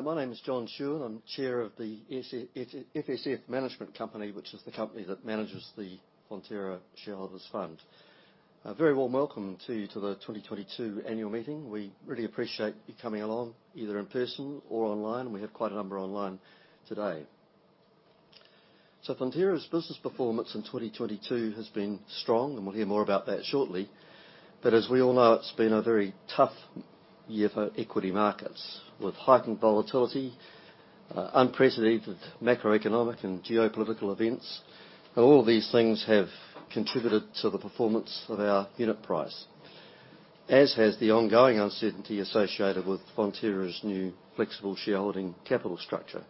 My name is John Shewan. I'm Chair of the FSF Management Company, which is the company that manages the Fonterra Shareholders' Fund. A very warm welcome to you to the 2022 Annual Meeting. We really appreciate you coming along, either in person or online. We have quite a number online today. Fonterra's business performance in 2022 has been strong, and we'll hear more about that shortly. As we all know, it's been a very tough year for equity markets, with heightened volatility, unprecedented macroeconomic and geopolitical events. All these things have contributed to the performance of our unit price, as has the ongoing uncertainty associated with Fonterra's new Flexible Shareholding capital structure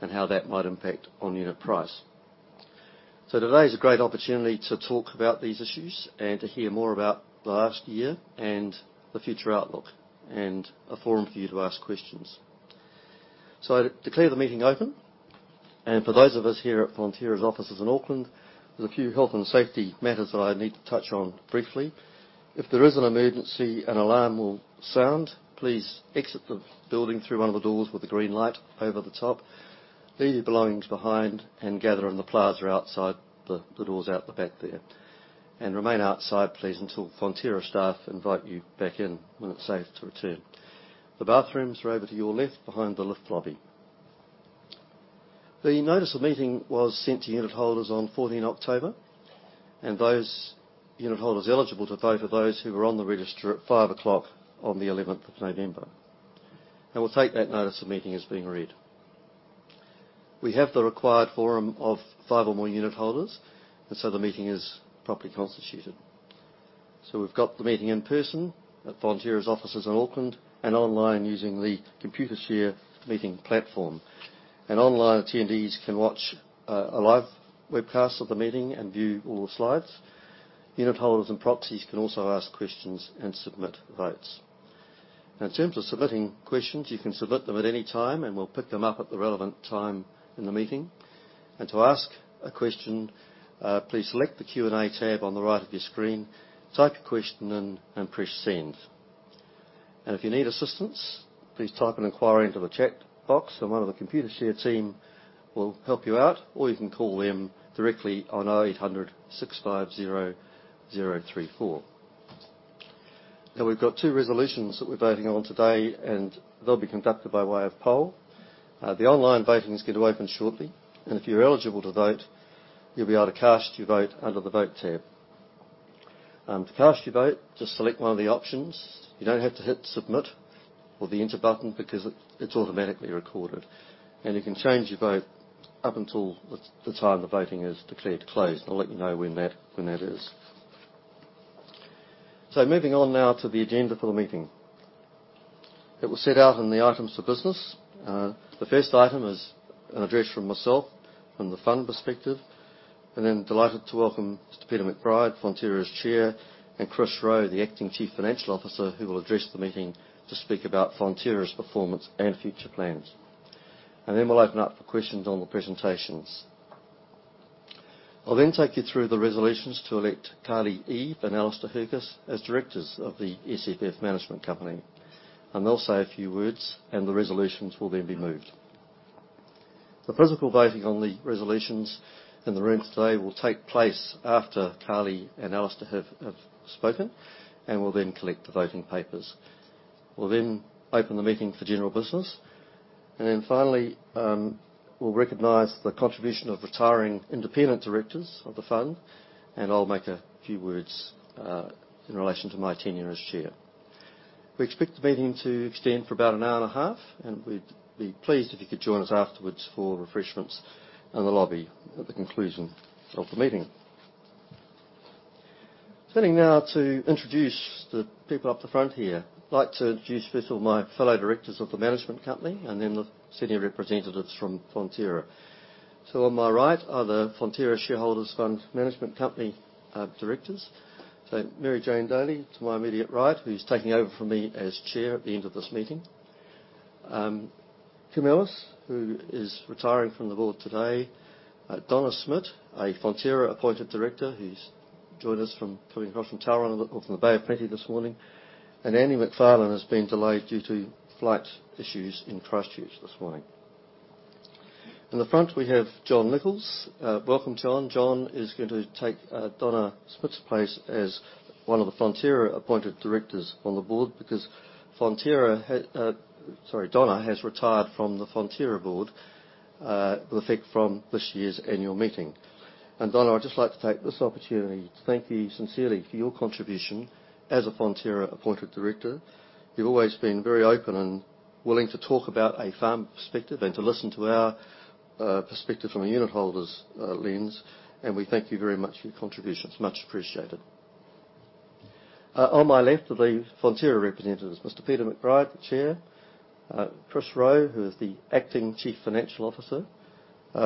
and how that might impact on unit price. Today is a great opportunity to talk about these issues and to hear more about the last year and the future outlook, and a forum for you to ask questions. I declare the meeting open, and for those of us here at Fonterra's offices in Auckland, there's a few health and safety matters that I need to touch on briefly. If there is an emergency, an alarm will sound. Please exit the building through one of the doors with the green light over the top. Leave your belongings behind and gather on the plaza outside the doors out the back there. Remain outside, please, until Fonterra staff invite you back in, when it's safe to return. The bathrooms are over to your left behind the lift lobby. The notice of meeting was sent to unitholders on 14th October, and those unitholders eligible to vote are those who were on the register at 5:00 P.M. on 11th November. We'll take that notice of meeting as being read. We have the required quorum of five or more unitholders, and the meeting is properly constituted. We've got the meeting in person at Fonterra's offices in Auckland and online using the Computershare meeting platform. Online attendees can watch a live webcast of the meeting and view all the slides. Unitholders and proxies can also ask questions and submit votes. In terms of submitting questions, you can submit them at any time, and we'll pick them up at the relevant time in the meeting. To ask a question, please select the Q&A tab on the right of your screen, type your question in and press Send. If you need assistance, please type an inquiry into the chat box and one of the Computershare team will help you out, or you can call them directly on 800-650-034. Now, we've got two resolutions that we're voting on today, and they'll be conducted by way of poll. The online voting's going to open shortly, and if you're eligible to vote, you'll be able to cast your vote under the Vote tab. To cast your vote, just select one of the options. You don't have to hit Submit or the Enter button because it's automatically recorded. You can change your vote up until the time the voting is declared closed. I'll let you know when that is. Moving on now to the agenda for the meeting. It was set out in the items for business. The first item is an address from myself from the fund perspective, and then delighted to welcome Mr. Peter McBride, Fonterra's Chair, and Chris Rowe, the Acting Chief Financial Officer, who will address the meeting to speak about Fonterra's performance and future plans. Then we'll open up for questions on the presentations. I'll then take you through the resolutions to elect Carlie Eve and Alastair Hercus as Directors of the FSF Management Company, and they'll say a few words, and the resolutions will then be moved. The physical voting on the resolutions in the room today will take place after Carlie and Alastair have spoken, and we'll then collect the voting papers. We'll then open the meeting for general business. Finally, we'll recognize the contribution of retiring independent directors of the fund, and I'll make a few words in relation to my tenure as chair. We expect the meeting to extend for about an hour and a half, and we'd be pleased if you could join us afterwards for refreshments in the lobby at the conclusion of the meeting. Turning now to introduce the people up the front here. I'd like to introduce first of all my fellow directors of the management company and then the senior representatives from Fonterra. On my right are the Fonterra Shareholders' Fund Management Company Directors. Mary-Jane Daly to my immediate right, who's taking over from me as chair at the end of this meeting. Kim Ellis, who is retiring from the board today. Donna Smit, a Fonterra-Appointed Director who's joined us from coming across from Tauranga or from the Bay of Plenty this morning. Andy Macfarlane has been delayed due to flight issues in Christchurch this morning. In the front, we have John Nicholls. Welcome, John. John is going to take Donna Smit's place as one of the Fonterra-Appointed Directors on the board because Donna has retired from the Fonterra board with effect from this year's annual meeting. Donna, I'd just like to take this opportunity to thank you sincerely for your contribution as a Fonterra-Appointed Director. You've always been very open and willing to talk about a farm perspective and to listen to our perspective from a unitholder's lens, and we thank you very much for your contribution. It's much appreciated. On my left are the Fonterra representatives. Mr. Peter McBride, Chair; Chris Rowe, who is the Acting Chief Financial Officer;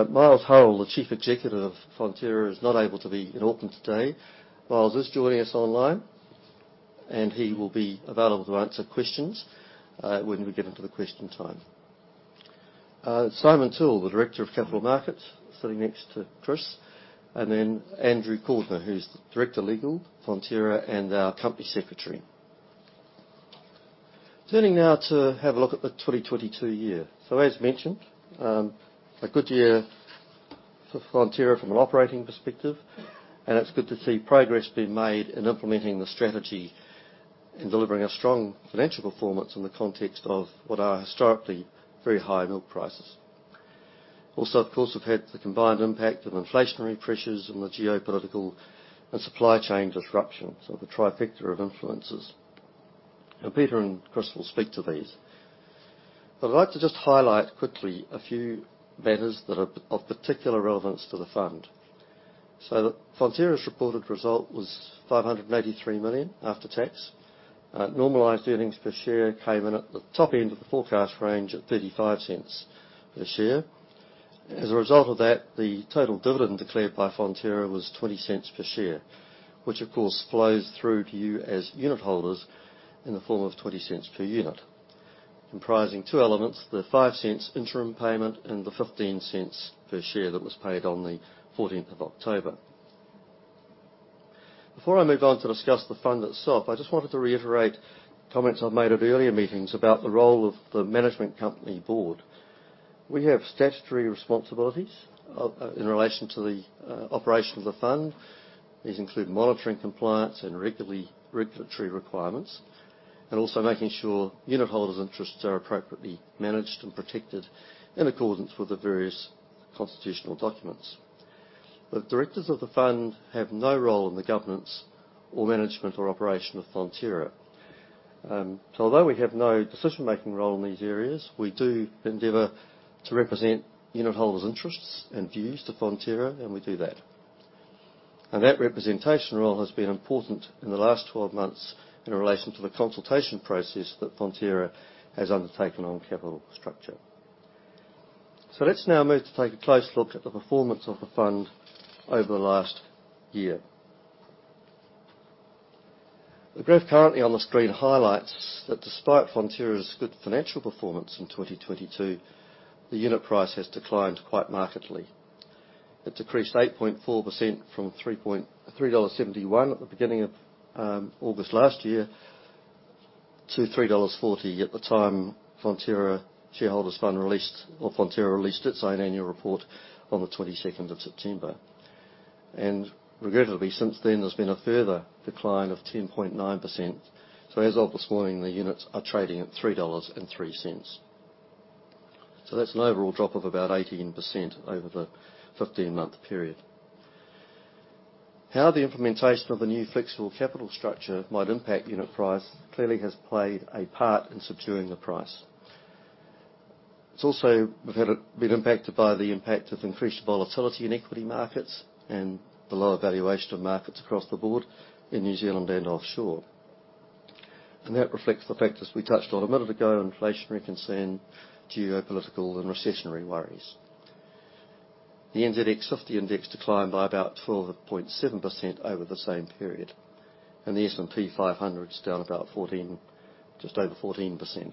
Miles Hurrell, the Chief Executive of Fonterra, is not able to be in Auckland today. Miles is joining us online, and he will be available to answer questions when we get into the question time. Simon Till, the Director of Capital Markets, sitting next to Chris, Andrew Cordner, who's Director, Legal, Fonterra, and our Company Secretary. Turning now to have a look at the 2022 year. As mentioned, a good year for Fonterra from an operating perspective, and it's good to see progress being made in implementing the strategy and delivering a strong financial performance in the context of what are historically very high milk prices. Also, of course, we've had the combined impact of inflationary pressures and the geopolitical and supply chain disruptions, so the trifecta of influences. Peter and Chris will speak to these. I'd like to just highlight quickly a few matters that are of particular relevance to the fund. Fonterra's reported result was 583 million after tax. Normalized earnings per share came in at the top end of the forecast range at 0.35 per share. As a result of that, the total dividend declared by Fonterra was 0.20 per share. Which of course flows through to you as unitholders in the form of 0.20 per unit. Comprising two elements, the 0.05 interim payment and the 0.15 per share that was paid on the fourteenth of October. Before I move on to discuss the fund itself, I just wanted to reiterate comments I've made at earlier meetings about the role of the management company board. We have statutory responsibilities in relation to the operation of the fund. These include monitoring compliance and regulatory requirements, and also making sure unitholders' interests are appropriately managed and protected in accordance with the various constitutional documents. The directors of the fund have no role in the governance or management or operation of Fonterra. Although we have no decision-making role in these areas, we do endeavor to represent unitholders' interests and views to Fonterra, and we do that. That representation role has been important in the last 12 months in relation to the consultation process that Fonterra has undertaken on capital structure. Let's now move to take a close look at the performance of the fund over the last year. The graph currently on the screen highlights that despite Fonterra's good financial performance in 2022, the unit price has declined quite markedly. It decreased 8.4% from 3.71 dollars at the beginning of August last year to 3.40 dollars at the time Fonterra Shareholders' Fund released or Fonterra released its own annual report on the22nd of September. Regrettably, since then, there's been a further decline of 10.9%. As of this morning, the units are trading at 3.03 dollars. That's an overall drop of about 18% over the 15-month period. How the implementation of the new flexible capital structure might impact unit price clearly has played a part in securing the price. It's also been impacted by the impact of increased volatility in equity markets and the lower valuation of markets across the board in New Zealand and offshore. That reflects the factors we touched on a minute ago, inflationary concern, geopolitical and recessionary worries. The S&P/NZX 50 Index declined by about 12.7% over the same period, and the S&P 500 is down about 14%. Just over 14%.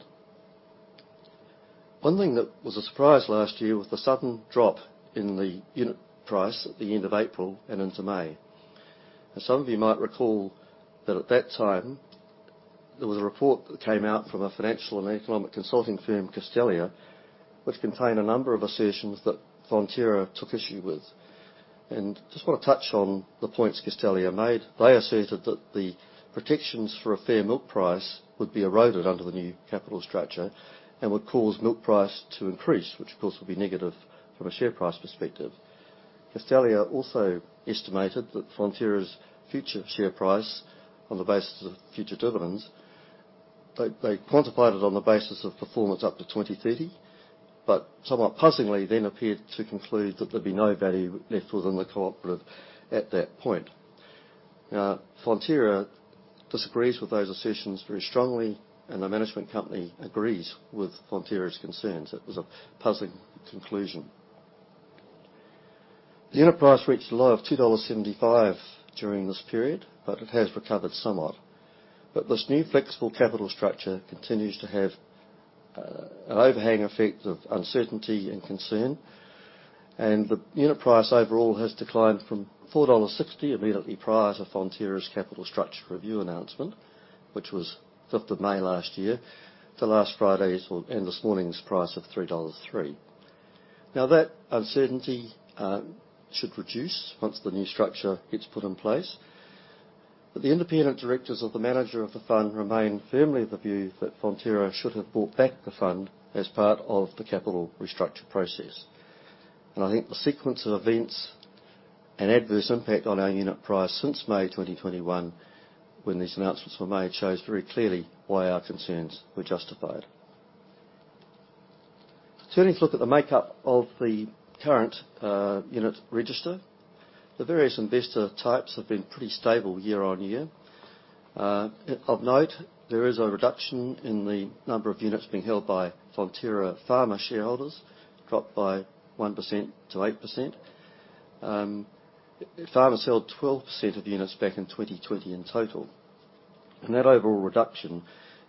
One thing that was a surprise last year was the sudden drop in the unit price at the end of April and into May. Some of you might recall that at that time, there was a report that came out from a financial and economic consulting firm, Castalia, which contained a number of assertions that Fonterra took issue with. Just wanna touch on the points Castalia made. They asserted that the protections for a fair milk price would be eroded under the new capital structure and would cause milk price to increase, which of course would be negative from a share price perspective. Castalia also estimated that Fonterra's future share price on the basis of future dividends. They quantified it on the basis of performance up to 2030, but somewhat puzzlingly then appeared to conclude that there'd be no value left within the cooperative at that point. Fonterra disagrees with those assertions very strongly, and the management company agrees with Fonterra's concerns. It was a puzzling conclusion. The unit price reached a low of 2.75 dollars during this period, but it has recovered somewhat. This new flexible capital structure continues to have an overhang effect of uncertainty and concern, and the unit price overall has declined from 4.60 dollars immediately prior to Fonterra's capital structure review announcement, which was 5th of May last year, to last Friday's and this morning's price of 3.03 dollars. Now, that uncertainty should reduce once the new structure gets put in place. But the independent directors of the manager of the fund remain firmly of the view that Fonterra should have bought back the fund as part of the capital restructure process. I think the sequence of events and adverse impact on our unit price since May 2021, when these announcements were made, shows very clearly why our concerns were justified. Turning to look at the makeup of the current unit register. The various investor types have been pretty stable year on year. Of note, there is a reduction in the number of units being held by Fonterra farmer shareholders, dropped by 1% to 8%. Farmers held 12% of units back in 2020 in total. That overall reduction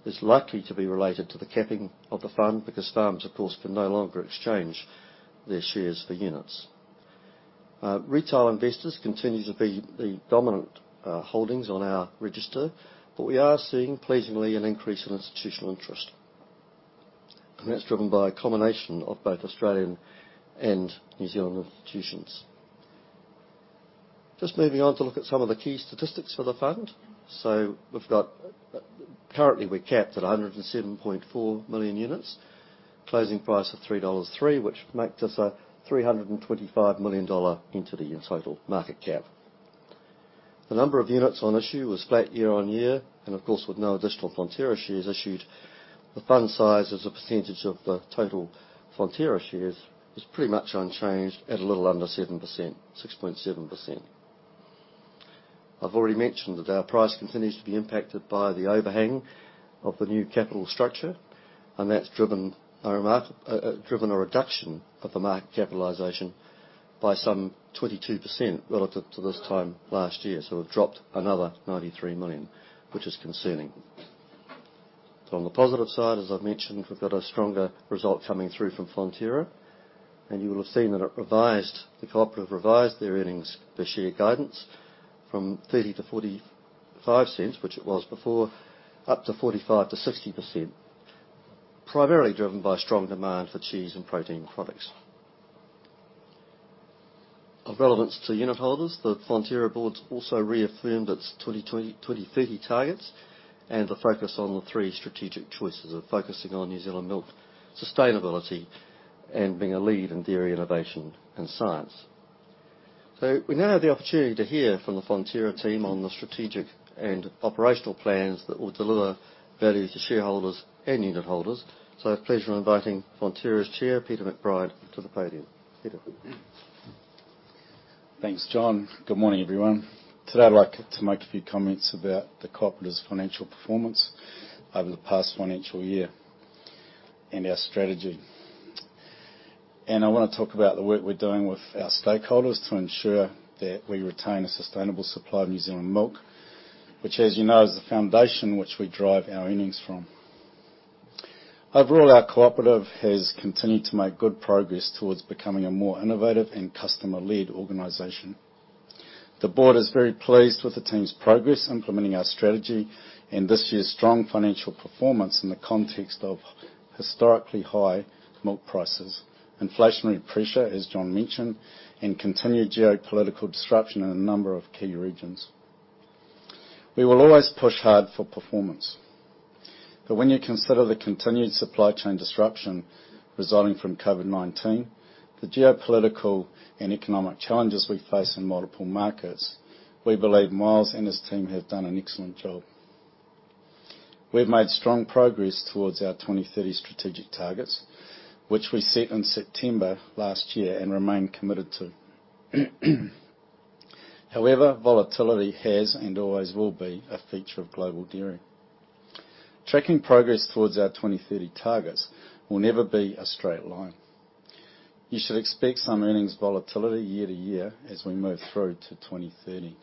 is likely to be related to the capping of the fund because farmers, of course, can no longer exchange their shares for units. Retail investors continue to be the dominant holdings on our register, but we are seeing, pleasingly, an increase in institutional interest, and that's driven by a combination of both Australian and New Zealand institutions. Just moving on to look at some of the key statistics for the fund. We've got currently, we're capped at 107.4 million units. Closing price of 3.03 dollars, which makes us a 325 million dollar entity in total market cap. The number of units on issue was flat year-on-year and of course, with no additional Fonterra shares issued. The fund size as a percentage of the total Fonterra shares is pretty much unchanged at a little under 7%, 6.7%. I've already mentioned that our price continues to be impacted by the overhang of the new capital structure, and that's driven a reduction of the market capitalization by some 22% relative to this time last year. It dropped another 93 million, which is concerning. On the positive side, as I've mentioned, we've got a stronger result coming through from Fonterra, and you will have seen that the Co-operative revised their earnings per share guidance from 0.30-0.45, which it was before, up to 0.45-0.60, primarily driven by strong demand for cheese and protein products of relevance to unit holders, the Fonterra board's also reaffirmed its 2020-2030 targets and the focus on the three strategic choices of focusing on New Zealand milk, sustainability, and being a lead in dairy innovation and science. We now have the opportunity to hear from the Fonterra team on the strategic and operational plans that will deliver value to shareholders and unitholders. I have pleasure in inviting Fonterra's Chair, Peter McBride, to the podium. Peter. Thanks, John. Good morning, everyone. Today, I'd like to make a few comments about the cooperative's financial performance over the past financial year and our strategy. I wanna talk about the work we're doing with our stakeholders to ensure that we retain a sustainable supply of New Zealand milk, which, as you know, is the foundation which we derive our earnings from. Overall, our cooperative has continued to make good progress towards becoming a more innovative and customer-led organization. The board is very pleased with the team's progress implementing our strategy and this year's strong financial performance in the context of historically high milk prices, inflationary pressure, as John mentioned, and continued geopolitical disruption in a number of key regions. We will always push hard for performance. When you consider the continued supply chain disruption resulting from COVID-19, the geopolitical and economic challenges we face in multiple markets, we believe Miles and his team have done an excellent job. We've made strong progress towards our 2030 strategic targets, which we set in September last year and remain committed to. However, volatility has and always will be a feature of global dairy. Tracking progress towards our 2030 targets will never be a straight line. You should expect some earnings volatility year to year as we move through to 2030.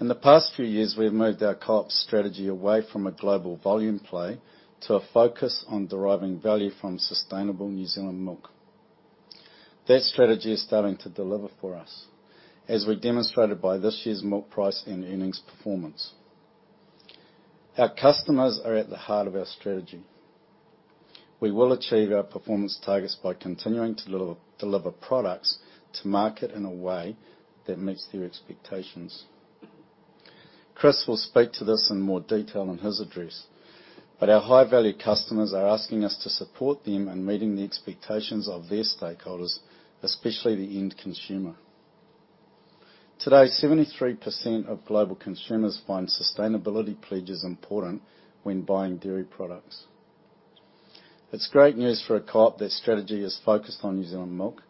In the past few years, we have moved our co-op's strategy away from a global volume play to a focus on deriving value from sustainable New Zealand milk. That strategy is starting to deliver for us as we demonstrated by this year's milk price and earnings performance. Our customers are at the heart of our strategy. We will achieve our performance targets by continuing to deliver products to market in a way that meets their expectations. Chris will speak to this in more detail in his address, but our high-value customers are asking us to support them in meeting the expectations of their stakeholders, especially the end consumer. Today, 73% of global consumers find sustainability pledges important when buying dairy products. It's great news for a co-op that strategy is focused on New Zealand milk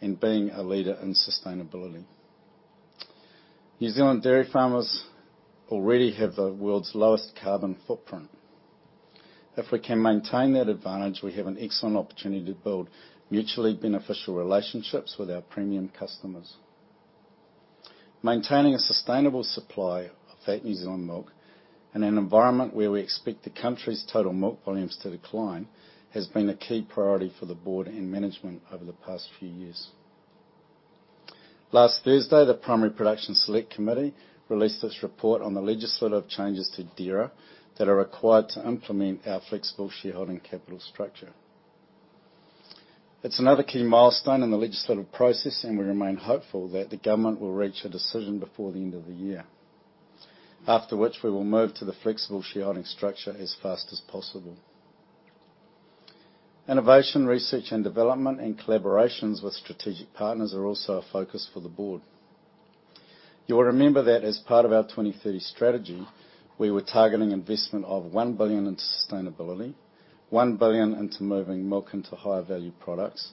and being a leader in sustainability. New Zealand dairy farmers already have the world's lowest carbon footprint. If we can maintain that advantage, we have an excellent opportunity to build mutually beneficial relationships with our premium customers. Maintaining a sustainable supply of that New Zealand milk in an environment where we expect the country's total milk volumes to decline, has been a key priority for the board and management over the past few years. Last Thursday, the Primary Production Committee released its report on the legislative changes to DIRA that are required to implement our Flexible Shareholding capital structure. It's another key milestone in the legislative process, and we remain hopeful that the government will reach a decision before the end of the year. After which, we will move to the Flexible Shareholding structure as fast as possible. Innovation, research and development, and collaborations with strategic partners are also a focus for the board. You'll remember that as part of our 2030 strategy, we were targeting investment of 1 billion into sustainability, 1 billion into moving milk into higher value products,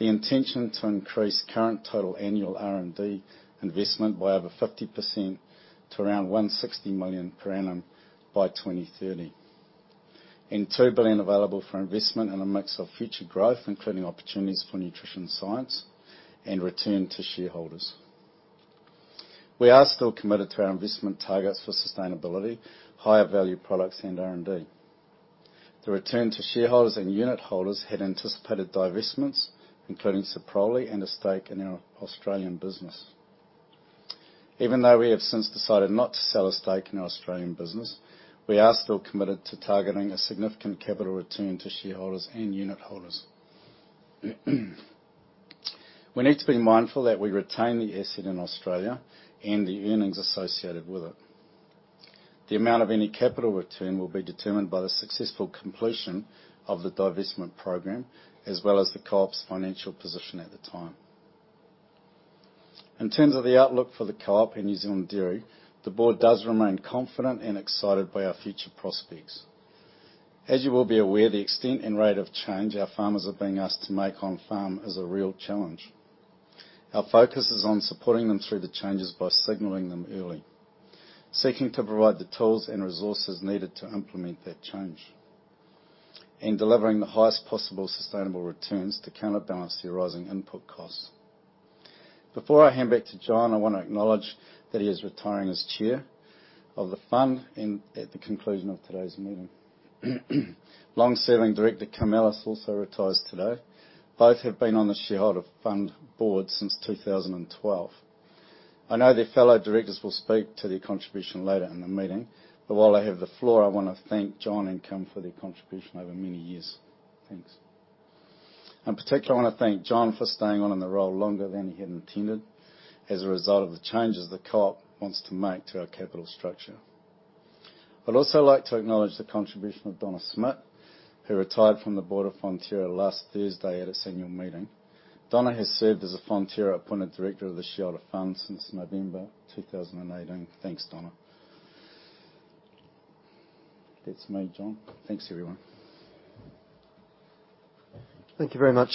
the intention to increase current total annual R&D investment by over 50% to around 160 million per annum by 2030. 2 billion available for investment in a mix of future growth, including opportunities for nutrition science and return to shareholders. We are still committed to our investment targets for sustainability, higher value products and R&D. The return to shareholders and unit holders had anticipated divestments, including Soprole and a stake in our Australian business. Even though we have since decided not to sell a stake in our Australian business, we are still committed to targeting a significant capital return to shareholders and unit holders. We need to be mindful that we retain the asset in Australia and the earnings associated with it. The amount of any capital return will be determined by the successful completion of the divestment program, as well as the co-op's financial position at the time. In terms of the outlook for the co-op in New Zealand Dairy, the board does remain confident and excited by our future prospects. As you will be aware, the extent and rate of change our farmers are being asked to make on farm is a real challenge. Our focus is on supporting them through the changes by signaling them early, providing the tools and resources needed to implement that change, and delivering the highest possible sustainable returns to counterbalance the rising input costs. Before I hand back to John, I wanna acknowledge that he is retiring as chair of the fund in at the conclusion of today's meeting. Long-serving director Kim Ellis also retires today. Both have been on the shareholder fund board since 2012. I know their fellow directors will speak to their contribution later in the meeting. While I have the floor, I wanna thank John and Kim for their contribution over many years. Thanks. In particular, I wanna thank John for staying on in the role longer than he had intended as a result of the changes the co-op wants to make to our capital structure. I'd also like to acknowledge the contribution of Donna Smit, who retired from the board of Fonterra last Thursday at its annual meeting. Donna has served as a Fonterra-appointed director of the Fonterra Shareholders' Fund since November 2018. Thanks, Donna. That's for me, John. Thanks, everyone. Thank you very much,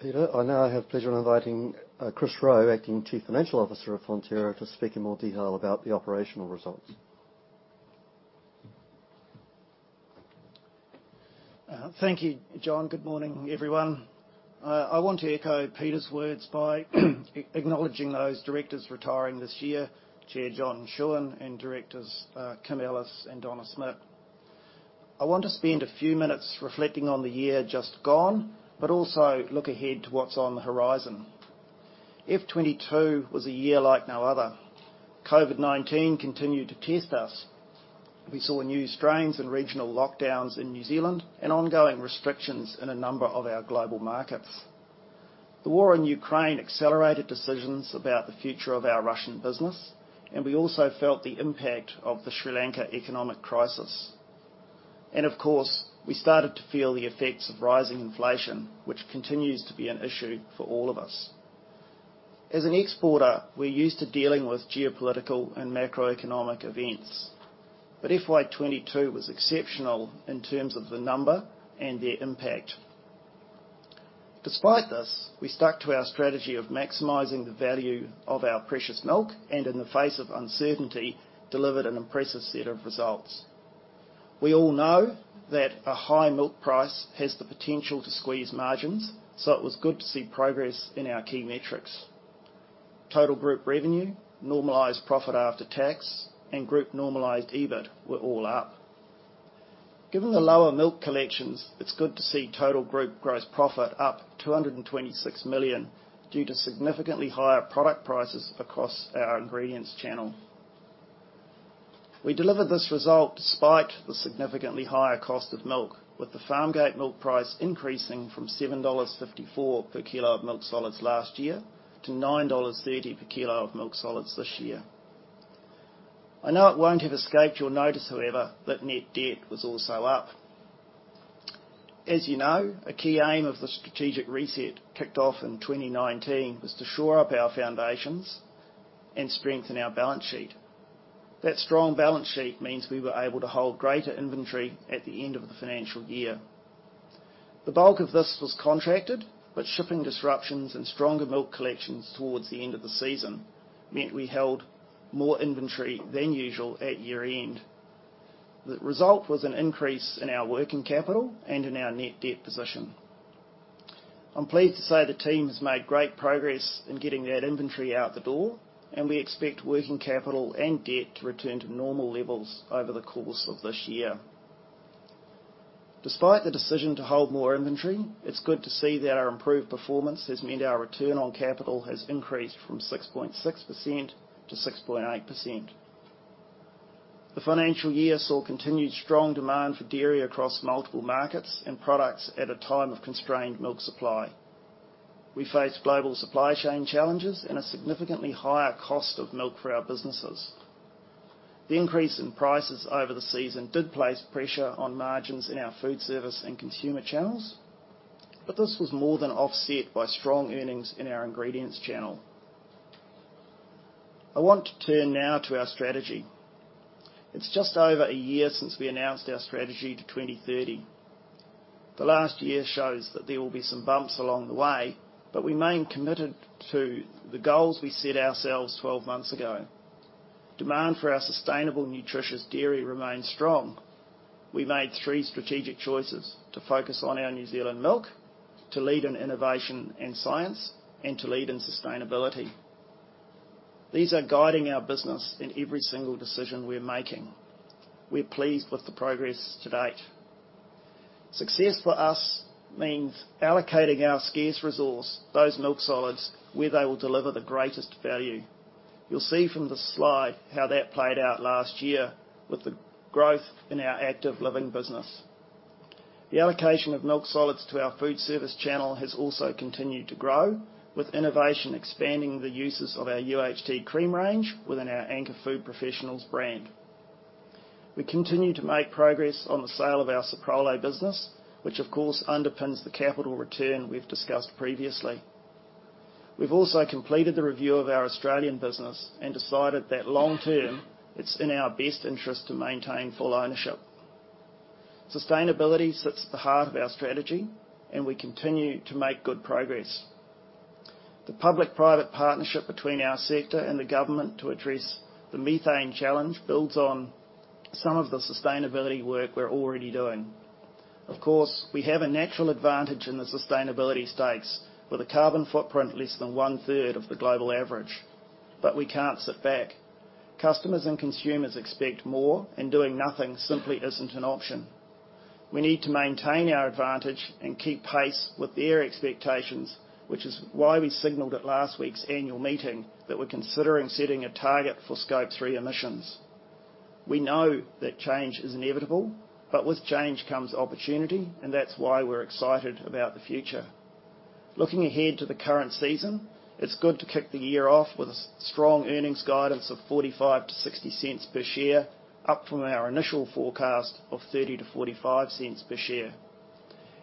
Peter. I now have the pleasure in inviting Chris Rowe, Acting Chief Financial Officer of Fonterra, to speak in more detail about the operational results. Thank you, John. Good morning, everyone. I want to echo Peter's words by acknowledging those directors retiring this year, Chair John Shewan and directors Kim Ellis and Donna Smit. I want to spend a few minutes reflecting on the year just gone, but also look ahead to what's on the horizon. FY 22 was a year like no other. COVID-19 continued to test us. We saw new strains and regional lockdowns in New Zealand and ongoing restrictions in a number of our global markets. The war in Ukraine accelerated decisions about the future of our Russian business, and we also felt the impact of the Sri Lanka economic crisis. Of course, we started to feel the effects of rising inflation, which continues to be an issue for all of us. As an exporter, we're used to dealing with geopolitical and macroeconomic events, but FY 2022 was exceptional in terms of the number and their impact. Despite this, we stuck to our strategy of maximizing the value of our precious milk and, in the face of uncertainty, delivered an impressive set of results. We all know that a high milk price has the potential to squeeze margins, so it was good to see progress in our key metrics. Total group revenue, normalized profit after tax, and group normalized EBIT were all up. Given the lower milk collections, it's good to see total group gross profit up 226 million due to significantly higher product prices across our ingredients channel. We delivered this result despite the significantly higher cost of milk, with the Farmgate Milk Price increasing from 7.54 dollars per kilo of milk solids last year to 9.30 dollars per kilo of milk solids this year. I know it won't have escaped your notice, however, that net debt was also up. As you know, a key aim of the strategic reset kicked off in 2019 was to shore up our foundations and strengthen our balance sheet. That strong balance sheet means we were able to hold greater inventory at the end of the financial year. The bulk of this was contracted, but shipping disruptions and stronger milk collections towards the end of the season meant we held more inventory than usual at year-end. The result was an increase in our working capital and in our net debt position. I'm pleased to say the team has made great progress in getting that inventory out the door, and we expect working capital and debt to return to normal levels over the course of this year. Despite the decision to hold more inventory, it's good to see that our improved performance has meant our return on capital has increased from 6.6% to 6.8%. The financial year saw continued strong demand for dairy across multiple markets and products at a time of constrained milk supply. We faced global supply chain challenges and a significantly higher cost of milk for our businesses. The increase in prices over the season did place pressure on margins in our food service and consumer channels, but this was more than offset by strong earnings in our ingredients channel. I want to turn now to our strategy. It's just over a year since we announced our strategy to 2030. The last year shows that there will be some bumps along the way, but we remain committed to the goals we set ourselves 12 months ago. Demand for our sustainable nutritious dairy remains strong. We made three strategic choices to focus on our New Zealand milk, to lead in innovation and science, and to lead in sustainability. These are guiding our business in every single decision we're making. We're pleased with the progress to date. Success for us means allocating our scarce resource, those milk solids, where they will deliver the greatest value. You'll see from the slide how that played out last year with the growth in our Active Living business. The allocation of milk solids to our food service channel has also continued to grow, with innovation expanding the uses of our UHT cream range within our Anchor Food Professionals brand. We continue to make progress on the sale of our Soprole business, which of course underpins the capital return we've discussed previously. We've also completed the review of our Australian business and decided that long term, it's in our best interest to maintain full ownership. Sustainability sits at the heart of our strategy, and we continue to make good progress. The public-private partnership between our sector and the government to address the methane challenge builds on some of the sustainability work we're already doing. Of course, we have a natural advantage in the sustainability stakes with a carbon footprint less than one-third of the global average. We can't sit back. Customers and consumers expect more, and doing nothing simply isn't an option. We need to maintain our advantage and keep pace with their expectations, which is why we signaled at last week's annual meeting that we're considering setting a target for Scope 3 emissions. We know that change is inevitable, but with change comes opportunity, and that's why we're excited about the future. Looking ahead to the current season, it's good to kick the year off with strong earnings guidance of 0.45-0.60 per share, up from our initial forecast of 0.30-0.45 per share.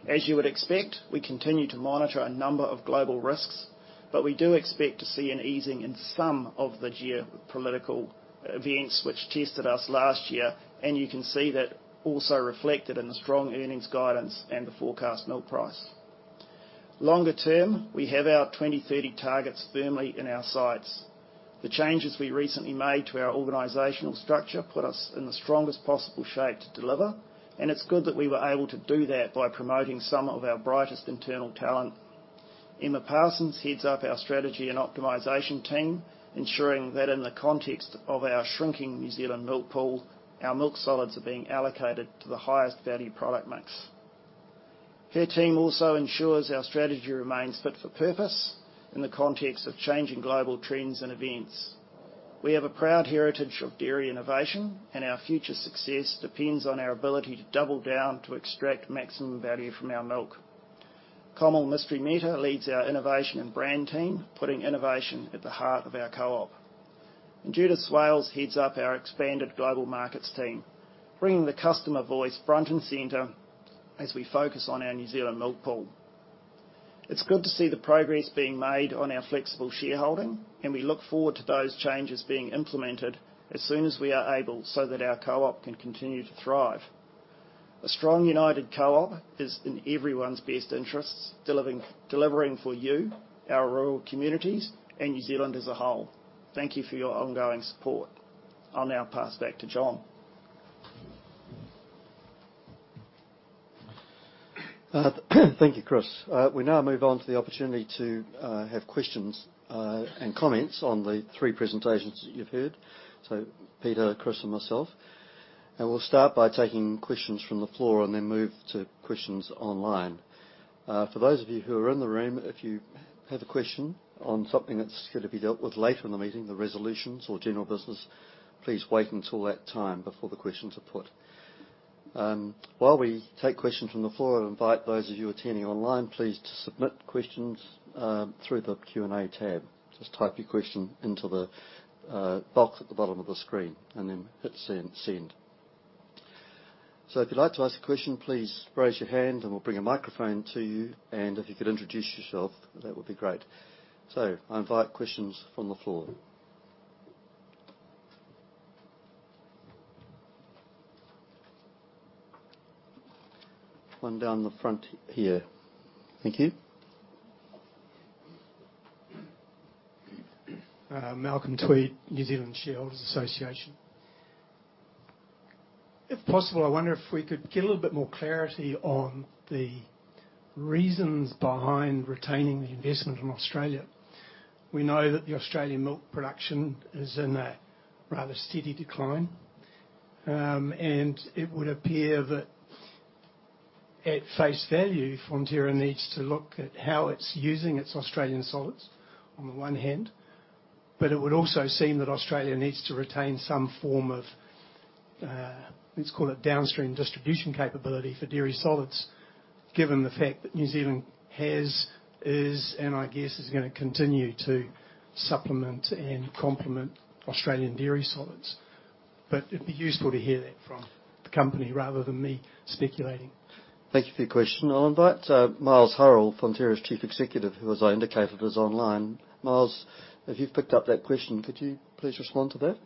As you would expect, we continue to monitor a number of global risks, but we do expect to see an easing in some of the geopolitical events which tested us last year, and you can see that also reflected in the strong earnings guidance and the forecast milk price. Longer term, we have our 2030 targets firmly in our sights. The changes we recently made to our organizational structure put us in the strongest possible shape to deliver, and it's good that we were able to do that by promoting some of our brightest internal talent. Emma Parsons heads up our strategy and optimization team, ensuring that in the context of our shrinking New Zealand milk pool, our milk solids are being allocated to the highest value product mix. Her team also ensures our strategy remains fit for purpose in the context of changing global trends and events. We have a proud heritage of dairy innovation, and our future success depends on our ability to double down to extract maximum value from our milk. Komal Mistry-Mehta leads our innovation and brand team, putting innovation at the heart of our co-op. Judith Swales heads up our expanded global markets team, bringing the customer voice front and center as we focus on our New Zealand milk pool. It's good to see the progress being made on our flexible shareholding, and we look forward to those changes being implemented as soon as we are able so that our co-op can continue to thrive. A strong, united co-op is in everyone's best interests, delivering for you, our rural communities, and New Zealand as a whole. Thank you for your ongoing support. I'll now pass back to John. Thank you, Chris. We now move on to the opportunity to have questions and comments on the three presentations that you've heard. Peter, Chris, and myself. We'll start by taking questions from the floor and then move to questions online. For those of you who are in the room, if you have a question on something that's gonna be dealt with later in the meeting, the resolutions or general business, please wait until that time before the questions are put. While we take questions from the floor, I invite those of you attending online, please, to submit questions through the Q&A tab. Just type your question into the box at the bottom of the screen and then hit send. If you'd like to ask a question, please raise your hand and we'll bring a microphone to you. If you could introduce yourself, that would be great. I invite questions from the floor. One down the front here. Thank you. Malcolm Tweed, New Zealand Shareholders' Association. If possible, I wonder if we could get a little bit more clarity on the reasons behind retaining the investment in Australia. We know that the Australian milk production is in a rather steady decline, and it would appear that at face value, Fonterra needs to look at how it's using its Australian solids on the one hand, but it would also seem that Australia needs to retain some form of, let's call it downstream distribution capability for dairy solids, given the fact that New Zealand has, is, and I guess is gonna continue to supplement and complement Australian dairy solids. It'd be useful to hear that from the company rather than me speculating. Thank you for your question. I'll invite Miles Hurrell, Fonterra's Chief Executive, who, as I indicated, is online. Miles, if you've picked up that question, could you please respond to that?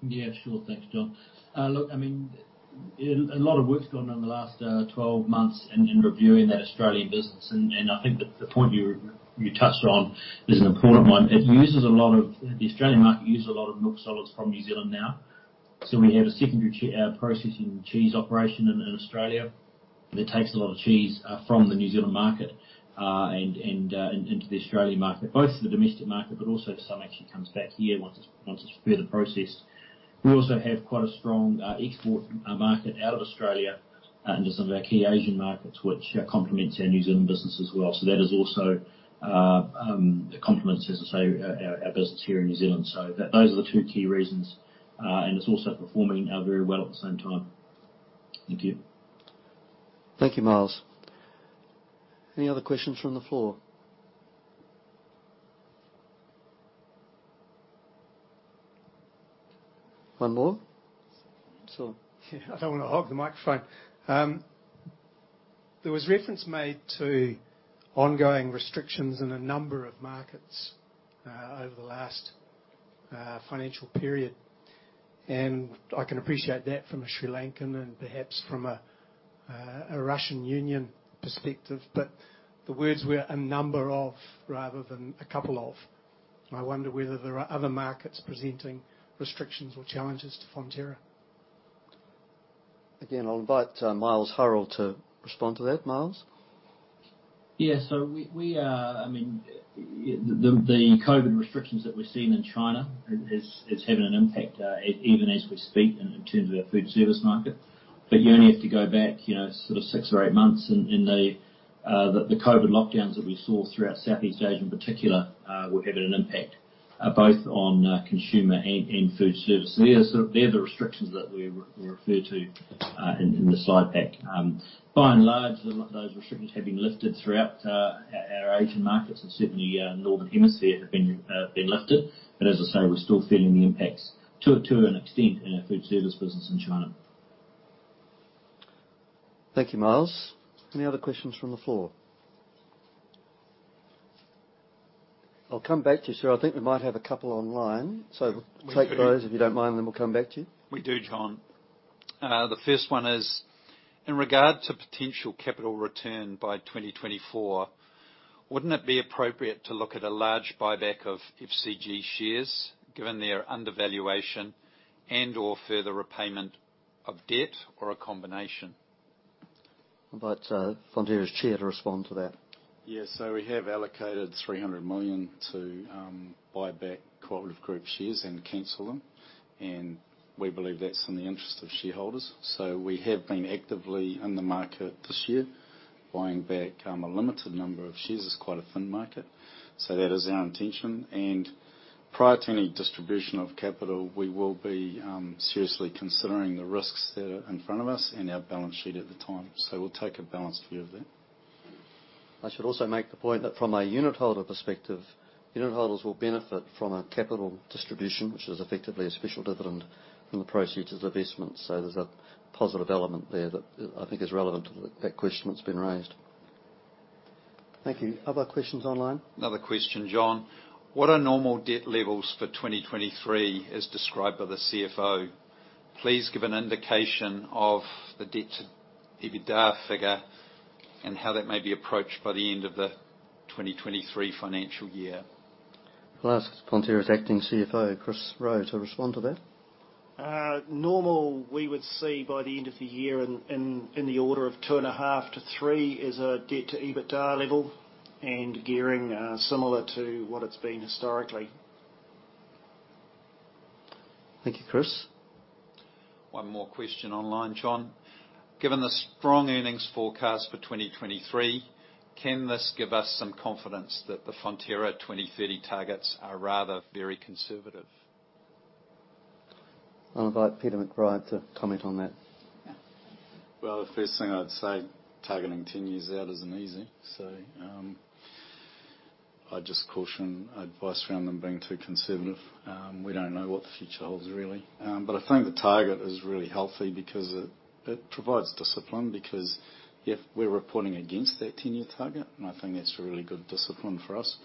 Yeah, sure. Thanks, John. Look, I mean, a lot of work's gone on in the last 12 months in reviewing that Australian business. I think that the point you touched on is an important one. The Australian market uses a lot of milk solids from New Zealand now. We have a secondary processing cheese operation in Australia that takes a lot of cheese from the New Zealand market and into the Australian market, both for the domestic market, but also some actually comes back here once it's further processed. We also have quite a strong export market out of Australia into some of our key Asian markets, which complements our New Zealand business as well. That is also it complements, as I say, our business here in New Zealand. Those are the two key reasons. It's also performing very well at the same time. Thank you. Thank you, Miles. Any other questions from the floor? One more? Sir. Yeah. I don't wanna hog the microphone. There was reference made to ongoing restrictions in a number of markets over the last financial period. I can appreciate that from a Sri Lankan and perhaps from a Russian Union perspective, but the words were a number of rather than a couple of. I wonder whether there are other markets presenting restrictions or challenges to Fonterra. Again, I'll invite Miles Hurrell to respond to that. Miles. Yeah. I mean, the COVID restrictions that we're seeing in China is having an impact, even as we speak in terms of the food service market. You only have to go back, you know, sort of six or eight months in the COVID lockdowns that we saw throughout Southeast Asia in particular were having an impact both on consumer and food service. They are the restrictions that we refer to in the slide pack. By and large, those restrictions have been lifted throughout our Asian markets and certainly Northern Hemisphere have been lifted. As I say, we're still feeling the impacts to an extent in our food service business in China. Thank you, Miles. Any other questions from the floor? I'll come back to you, sir. I think we might have a couple online. Take those, if you don't mind, then we'll come back to you. We do, John. The first one is, in regard to potential capital return by 2024, wouldn't it be appropriate to look at a large buyback of FCG shares given their undervaluation and/or further repayment of debt or a combination? Invite Fonterra's Chair to respond to that. Yeah. We have allocated 300 million to buy back Fonterra Co-operative Group shares and cancel them, and we believe that's in the interest of shareholders. We have been actively in the market this year, buying back a limited number of shares. It's quite a thin market. That is our intention. Prior to any distribution of capital, we will be seriously considering the risks that are in front of us and our balance sheet at the time. We'll take a balanced view of that. I should also make the point that from a unitholder perspective, unitholders will benefit from a capital distribution, which is effectively a special dividend from the proceeds of the divestment. There's a positive element there that, I think is relevant to that question that's been raised. Thank you. Other questions online? Another question, John. What are normal debt levels for 2023 as described by the CFO? Please give an indication of the debt to EBITDA figure and how that may be approached by the end of the 2023 financial year. I'll ask Fonterra's acting CFO, Chris Rowe, to respond to that. Normally, we would see by the end of the year in the order of 2.5-3 as a debt-to-EBITDA level and gearing similar to what it's been historically. Thank you, Chris. One more question online, John. Given the strong earnings forecast for 2023, can this give us some confidence that the Fonterra 2030 targets are rather very conservative? I'll invite Peter McBride to comment on that. Well, the first thing I'd say, targeting 10 years out isn't easy. I'd just caution advice around them being too conservative. We don't know what the future holds really. I think the target is really healthy because it provides discipline because if we're reporting against that 10-year target, and I think that's really good discipline for us.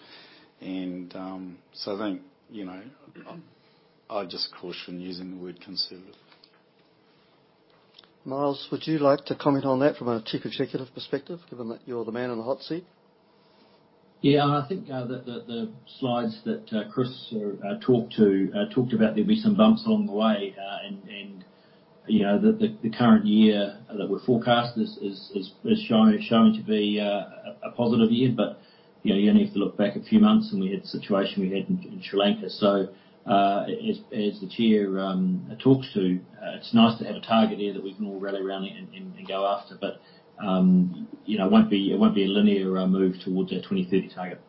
I think, you know, I'd just caution using the word conservative. Miles, would you like to comment on that from a chief executive perspective, given that you're the man in the hot seat? Yeah. I think the slides that Chris talked about there'll be some bumps along the way, and you know, the current year that we forecast is showing to be a positive year. You know, you only have to look back a few months, and we had the situation we had in Sri Lanka. As the chair talks to, it's nice to have a target here that we can all rally around and go after. You know, it won't be a linear move towards our 2030 target.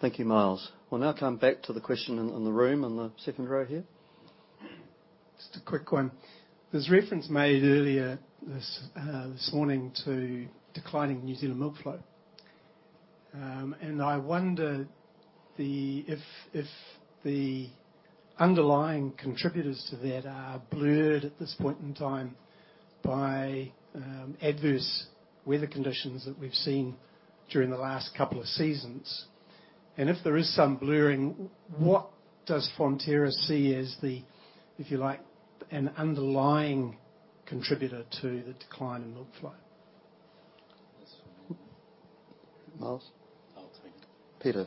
Thank you, Miles. We'll now come back to the question in the room in the second row here. Just a quick one. There's reference made earlier this morning to declining New Zealand milk flow. I wonder if the underlying contributors to that are blurred at this point in time. By adverse weather conditions that we've seen during the last couple of seasons. If there is some blurring, what does Fonterra see as the, if you like, an underlying contributor to the decline in milk flow? That's for me. Miles. I'll take it. Peter.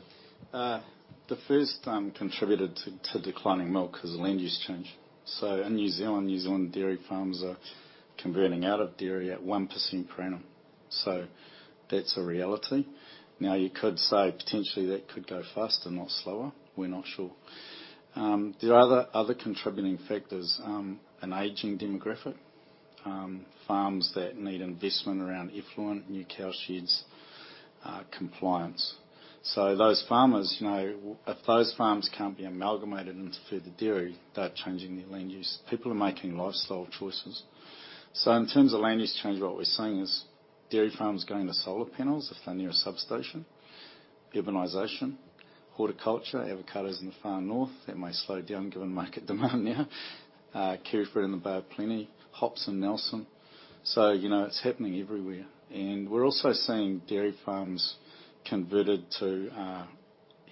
The first contributor to declining milk is land use change. In New Zealand, New Zealand dairy farms are converting out of dairy at 1% per annum. That's a reality. Now, you could say potentially that could go faster, not slower. We're not sure. There are other contributing factors. An aging demographic, farms that need investment around effluent, new cow sheds, compliance. Those farmers, you know, if those farms can't be amalgamated into further dairy, they're changing their land use. People are making lifestyle choices. In terms of land use change, what we're seeing is dairy farms going to solar panels if they're near a substation. Urbanization, horticulture, avocados in the Far North, that may slow down given market demand now. Kiwifruit in the Bay of Plenty, hops in Nelson. You know, it's happening everywhere. We're also seeing dairy farms converted to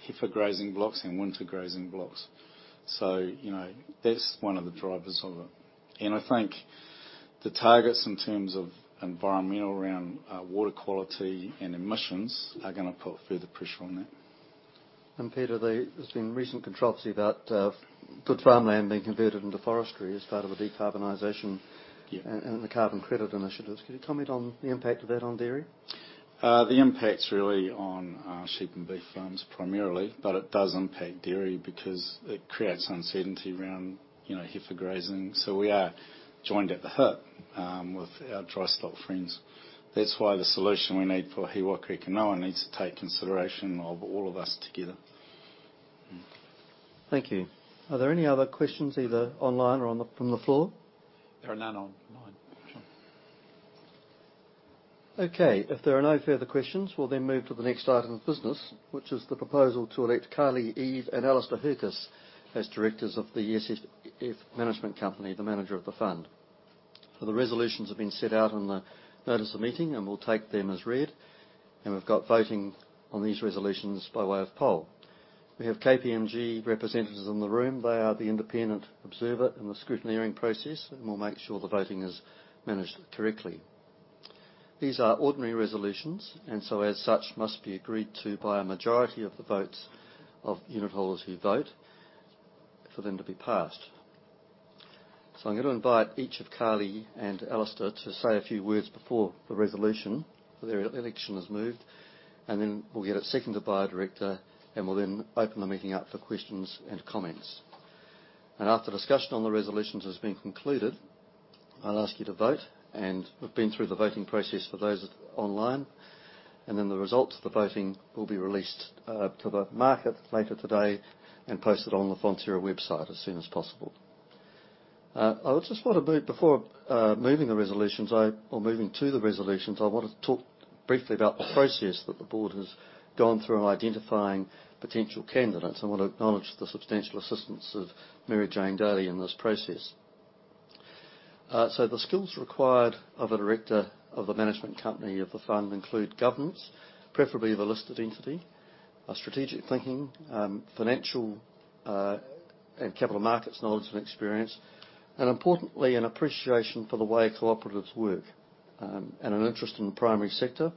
heifer grazing blocks and winter grazing blocks. You know, that's one of the drivers of it. I think the targets in terms of environmental around water quality and emissions are gonna put further pressure on that. Peter, there's been recent controversy about good farmland being converted into forestry as part of the decarbonization. Yeah. The carbon credit initiatives. Can you comment on the impact of that on dairy? The impact's really on sheep and beef farms primarily, but it does impact dairy because it creates uncertainty around, you know, heifer grazing. We are joined at the hip with our dry stock friends. That's why the solution we need for He Waka eke noa needs to take consideration of all of us together. Thank you. Are there any other questions either online or from the floor? There are none online, John. Okay. If there are no further questions, we'll then move to the next item of business, which is the proposal to elect Carlie Eve and Alastair Hercus as directors of the FSF Management Company, the manager of the fund. The resolutions have been set out in the notice of meeting, and we'll take them as read, and we've got voting on these resolutions by way of poll. We have KPMG representatives in the room. They are the independent observer in the scrutineering process and will make sure the voting is managed correctly. These are ordinary resolutions and so as such, must be agreed to by a majority of the votes of unitholders who vote for them to be passed. I'm gonna invite each of Carlie and Alastair to say a few words before the resolution, their election is moved, and then we'll get it seconded by a director, and we'll then open the meeting up for questions and comments. After discussion on the resolutions has been concluded, I'll ask you to vote, and we've been through the voting process for those online, and then the results of the voting will be released to the market later today and posted on the Fonterra website as soon as possible. Before moving the resolutions, I wanted to talk briefly about the process that the board has gone through in identifying potential candidates. I wanna acknowledge the substantial assistance of Mary-Jane Daly in this process. The skills required of a director of the management company of the fund include governance, preferably of a listed entity, strategic thinking, financial, and capital markets knowledge and experience, and importantly, an appreciation for the way cooperatives work, and an interest in the primary sector,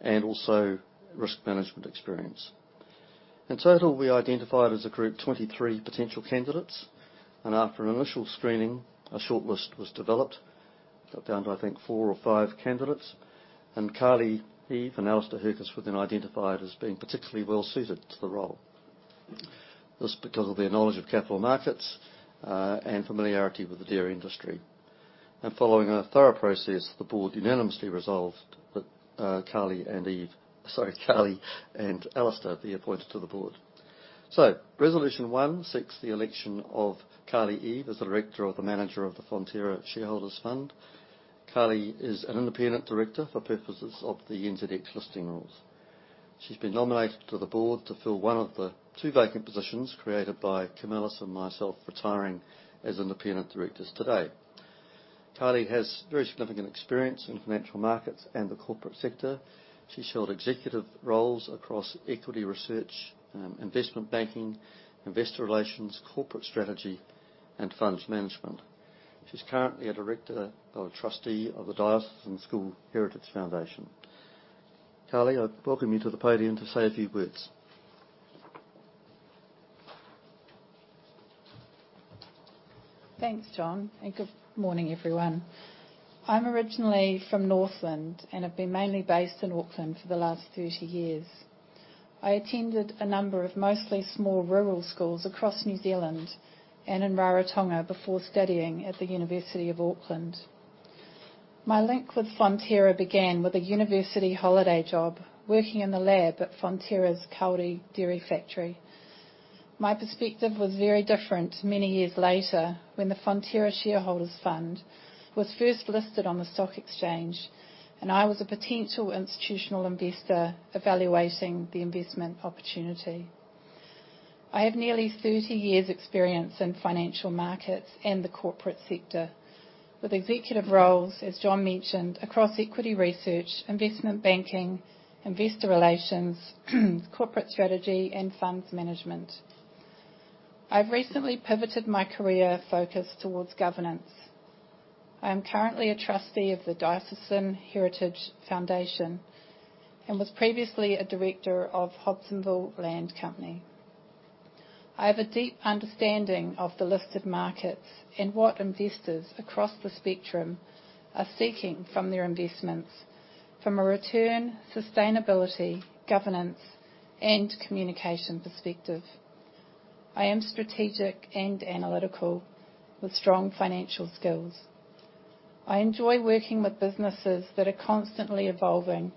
and also risk management experience. In total, we identified as a group 23 potential candidates, and after an initial screening, a shortlist was developed. Got down to, I think, four or five candidates. Carlie Eve and Alastair Hercus were then identified as being particularly well-suited to the role. This because of their knowledge of capital markets, and familiarity with the dairy industry. Following a thorough process, the board unanimously resolved that, Carlie Eve, sorry, Carlie and Alastair be appointed to the board. Resolution one seeks the election of Carlie Eve as the director of the manager of the Fonterra Shareholders' Fund. Carlie is an independent director for purposes of the NZX Listing Rules. She's been nominated to the board to fill one of the two vacant positions created by Kim Ellis and myself retiring as independent directors today. Carlie has very significant experience in financial markets and the corporate sector. She's held executive roles across equity research, investment banking, investor relations, corporate strategy, and funds management. She's currently a director or trustee of the Diocesan Heritage Foundation. Carlie, I welcome you to the podium to say a few words. Thanks, John, and good morning, everyone. I'm originally from Northland and have been mainly based in Auckland for the last 30 years. I attended a number of mostly small rural schools across New Zealand and in Rarotonga before studying at the University of Auckland. My link with Fonterra began with a university holiday job working in the lab at Fonterra's Kauri Dairy Factory. My perspective was very different many years later when the Fonterra Shareholders' Fund was first listed on the stock exchange, and I was a potential institutional investor evaluating the investment opportunity. I have nearly 30 years' experience in financial markets and the corporate sector, with executive roles, as John mentioned, across equity research, investment banking, investor relations, corporate strategy and funds management. I've recently pivoted my career focus towards governance. I am currently a trustee of the Diocesan Heritage Foundation and was previously a director of Hobsonville Land Company. I have a deep understanding of the listed markets and what investors across the spectrum are seeking from their investments, from a return, sustainability, governance, and communication perspective. I am strategic and analytical with strong financial skills. I enjoy working with businesses that are constantly evolving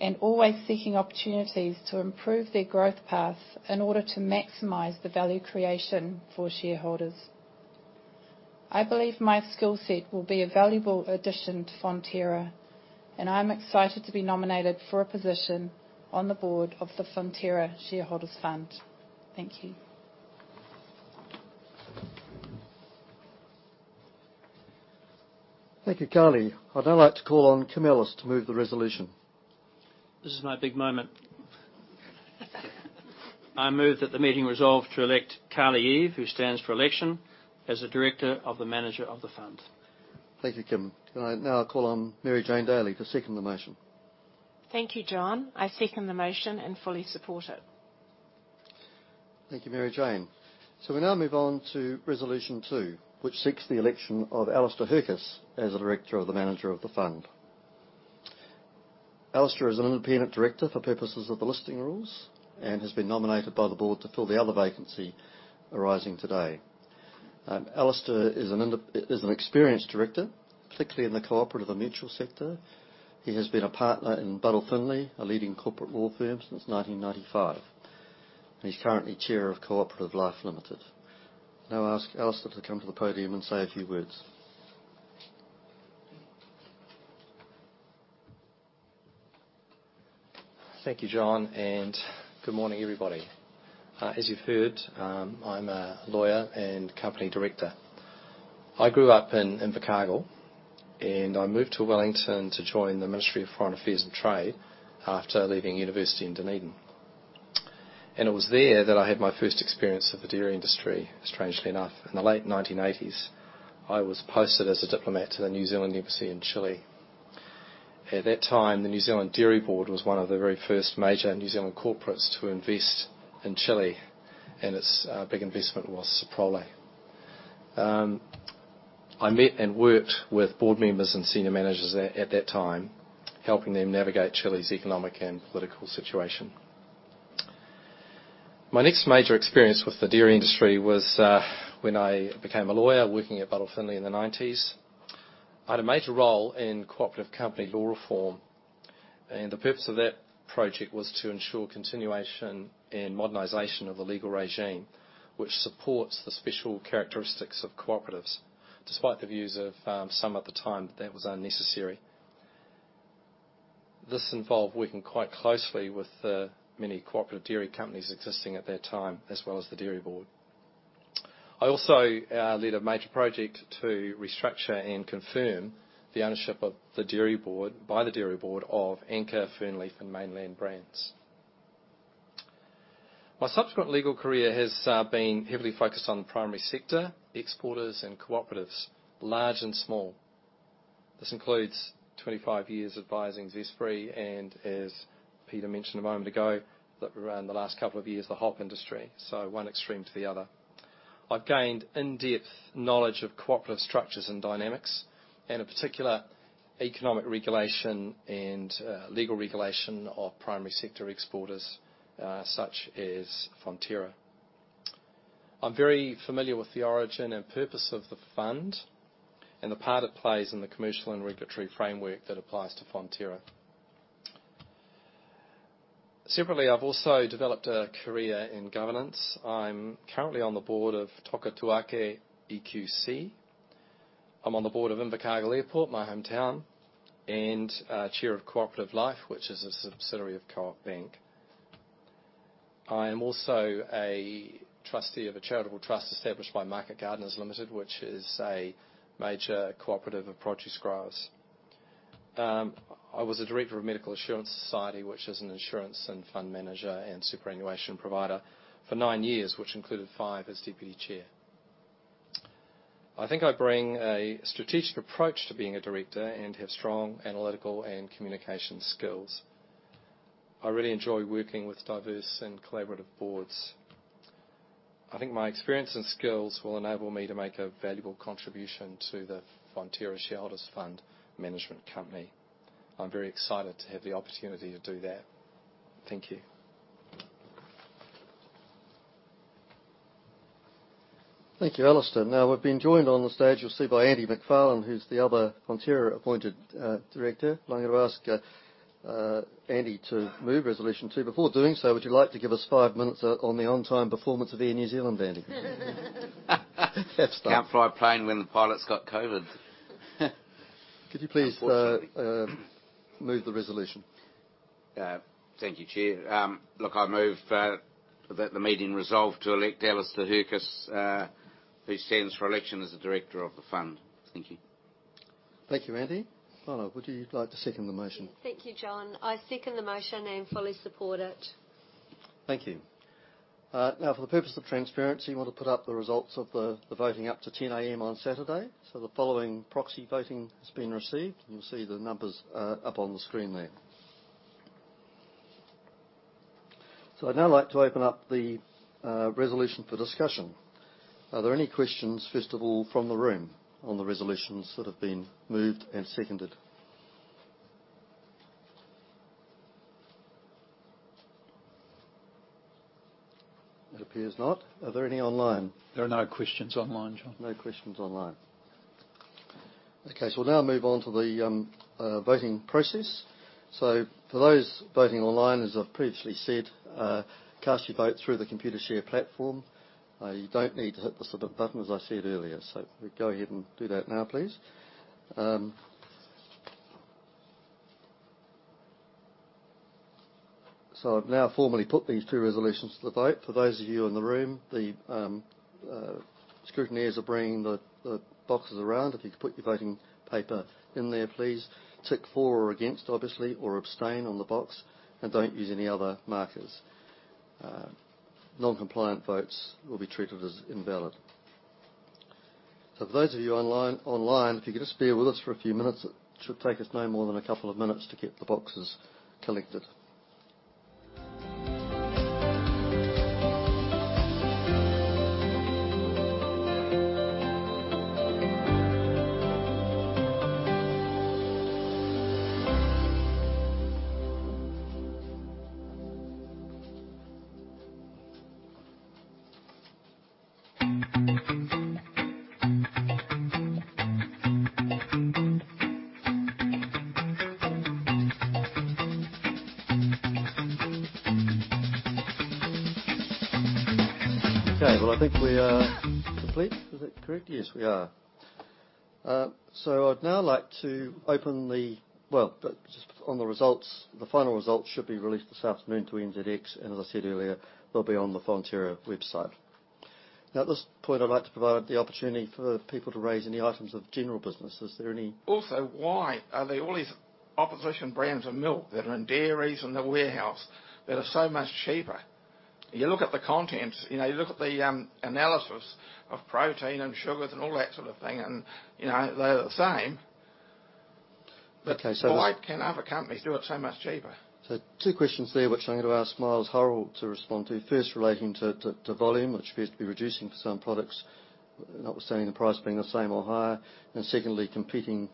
and always seeking opportunities to improve their growth paths in order to maximize the value creation for shareholders. I believe my skill set will be a valuable addition to Fonterra, and I'm excited to be nominated for a position on the board of the Fonterra Shareholders' Fund. Thank you. Thank you, Carlie. I'd now like to call on Kim Ellis to move the resolution. This is my big moment. I move that the meeting resolve to elect Carlie Eve, who stands for election as a director of the manager of the fund. Thank you, Kim. Now I call on Mary-Jane Daly to second the motion. Thank you, John. I second the motion and fully support it. Thank you, Mary Jane. We now move on to resolution two, which seeks the election of Alastair Hercus as a director of the manager of the fund. Alastair is an independent director for purposes of the listing rules, and has been nominated by the board to fill the other vacancy arising today. Alastair is an experienced director, particularly in the cooperative and mutual sector. He has been a partner in Buddle Findlay, a leading corporate law firm, since 1995. He's currently chair of Co-operative Life Ltd. Now I'll ask Alastair to come to the podium and say a few words. Thank you, John, and good morning, everybody. As you've heard, I'm a lawyer and company director. I grew up in Invercargill, and I moved to Wellington to join the Ministry of Foreign Affairs and Trade after leaving university in Dunedin. It was there that I had my first experience of the dairy industry, strangely enough. In the late 1980s, I was posted as a diplomat to the New Zealand Embassy in Chile. At that time, the New Zealand Dairy Board was one of the very first major New Zealand corporates to invest in Chile, and its big investment was Soprole. I met and worked with board members and senior managers at that time, helping them navigate Chile's economic and political situation. My next major experience with the dairy industry was when I became a lawyer working at Buddle Findlay in the 1990s. I had a major role in cooperative company law reform, and the purpose of that project was to ensure continuation and modernization of the legal regime, which supports the special characteristics of cooperatives, despite the views of some at the time that that was unnecessary. This involved working quite closely with the many cooperative dairy companies existing at that time, as well as the Dairy Board. I also led a major project to restructure and confirm the ownership of the Dairy Board, by the Dairy Board of Anchor, Fernleaf, and Mainland brands. My subsequent legal career has been heavily focused on the primary sector, exporters and cooperatives, large and small. This includes 25 years advising Zespri and, as Peter mentioned a moment ago, that around the last couple of years, the hop industry. One extreme to the other. I've gained in-depth knowledge of cooperative structures and dynamics, and in particular, economic regulation and legal regulation of primary sector exporters, such as Fonterra. I'm very familiar with the origin and purpose of the fund and the part it plays in the commercial and regulatory framework that applies to Fonterra. Separately, I've also developed a career in governance. I'm currently on the board of Toka Tū Ake EQC. I'm on the board of Invercargill Airport, my hometown, and chair of Co-operative Life, which is a subsidiary of Co-op Bank. I am also a trustee of a charitable trust established by Market Gardeners Limited, which is a major cooperative of produce growers. I was a director of Medical Assurance Society, which is an insurance and fund manager and superannuation provider for nine years, which included five as deputy chair. I think I bring a strategic approach to being a director and have strong analytical and communication skills. I really enjoy working with diverse and collaborative boards. I think my experience and skills will enable me to make a valuable contribution to the Fonterra Shareholders' Fund Management Company. I'm very excited to have the opportunity to do that. Thank you. Thank you, Alastair. Now we've been joined on the stage, you'll see, by Andy Macfarlane, who's the other Fonterra-appointed director. I'm going to ask Andy to move resolution two. Before doing so, would you like to give us five minutes on the on-time performance of Air New Zealand, Andy? Tough start. Can't fly a plane when the pilot's got COVID. Could you please move the resolution? Thank you, Chair. Look, I move that the meeting resolve to elect Alastair Hercus, who stands for election as the director of the fund. Thank you. Thank you, Andy. Lana, would you like to second the motion? Thank you, John. I second the motion and fully support it. Thank you. Now, for the purpose of transparency, want to put up the results of the voting up to 10 A.M. on Saturday. The following proxy voting has been received. You'll see the numbers up on the screen there. I'd now like to open up the resolution for discussion. Are there any questions, first of all, from the room on the resolutions that have been moved and seconded? It appears not. Are there any online? There are no questions online, John. No questions online. Okay, we'll now move on to the voting process. For those voting online, as I've previously said, cast your vote through the Computershare platform. You don't need to hit the submit button, as I said earlier, go ahead and do that now, please. I've now formally put these two resolutions to the vote. For those of you in the room, the scrutineers are bringing the boxes around. If you could put your voting paper in there, please. Tick for or against, obviously, or abstain on the box, and don't use any other markers. Non-compliant votes will be treated as invalid. For those of you online, if you could just bear with us for a few minutes. It should take us no more than a couple of minutes to get the boxes collected. Okay, well, I think we are complete. Is that correct? Yes, we are. Well, just on the results, the final results should be released this afternoon to NZX, and as I said earlier, they'll be on the Fonterra website. Now, at this point, I'd like to provide the opportunity for people to raise any items of general business. Is there any? Also, why are there all these opposition brands of milk that are in dairies and The Warehouse that are so much cheaper? You look at the contents, you know, the analysis of protein and sugars and all that sort of thing and, you know, they're the same. Okay. Why can other companies do it so much cheaper? Two questions there which I'm going to ask Miles Hurrell to respond to. First, relating to volume, which appears to be reducing for some products, notwithstanding the price being the same or higher. Secondly, competing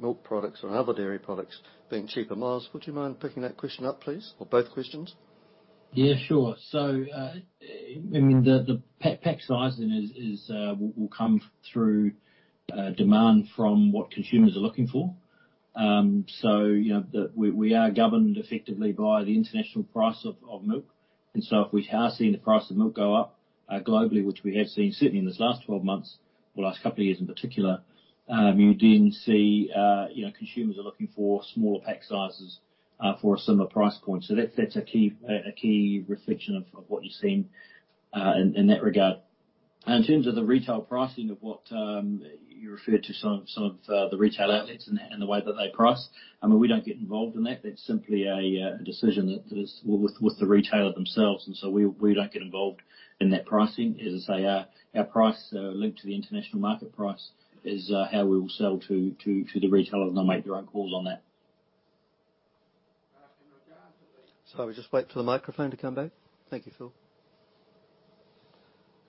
milk products or other dairy products being cheaper. Miles, would you mind picking that question up, please? Or both questions. Yeah, sure. I mean, the pack sizing will come through demand from what consumers are looking for. We are governed effectively by the international price of milk. If we have seen the price of milk go up globally, which we have seen certainly in this last 12 months, or last couple of years in particular, you then see consumers are looking for smaller pack sizes for a similar price point. That's a key reflection of what you're seeing in that regard. In terms of the retail pricing of what you referred to some of the retail outlets and the way that they price, I mean, we don't get involved in that. That's simply a decision that is with the retailer themselves, and so we don't get involved in that pricing. As I say, our price linked to the international market price is how we will sell to the retailer. They'll make their own calls on that. In regard to the. Sorry, we just wait for the microphone to come back. Thank you, Phil.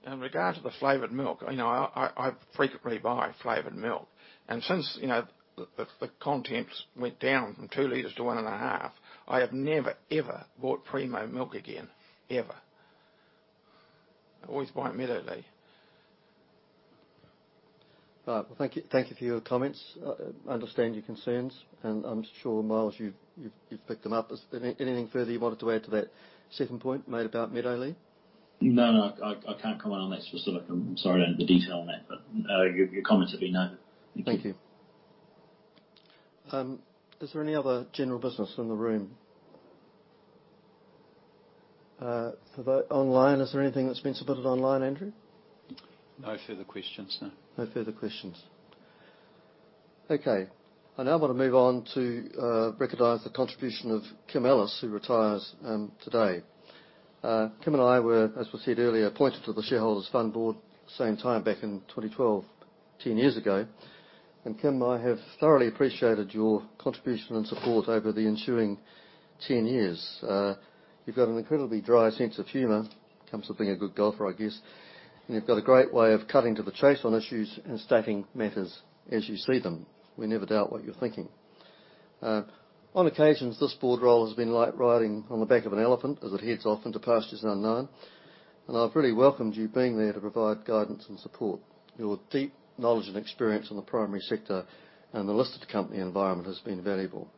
In regard to the flavored milk, you know, I frequently buy flavored milk, and since, you know, the contents went down from 2 liters to 1.5, I have never, ever bought Primo milk again. Ever. I always buy Meadow Fresh. Well, thank you. Thank you for your comments. I understand your concerns, and I'm sure, Miles, you've picked them up. Is anything further you wanted to add to that second point made about Meadow Fresh? No, no. I can't comment on that. I'm sorry I don't have the detail on that, but your comments have been noted. Thank you. Thank you. Is there any other general business in the room? For those online, is there anything that's been submitted online, Andrew? No further questions, no. No further questions. Okay. I now want to move on to recognize the contribution of Kim Ellis, who retires today. Kim and I were, as was said earlier, appointed to the Shareholders' Fund board same time back in 2012, ten years ago. Kim, I have thoroughly appreciated your contribution and support over the ensuing ten years. You've got an incredibly dry sense of humor. Comes with being a good golfer, I guess. You've got a great way of cutting to the chase on issues and stating matters as you see them. We never doubt what you're thinking. On occasions, this board role has been like riding on the back of an elephant as it heads off into pastures unknown, and I've really welcomed you being there to provide guidance and support. Your deep knowledge and experience in the primary sector and the listed company environment has been valuable.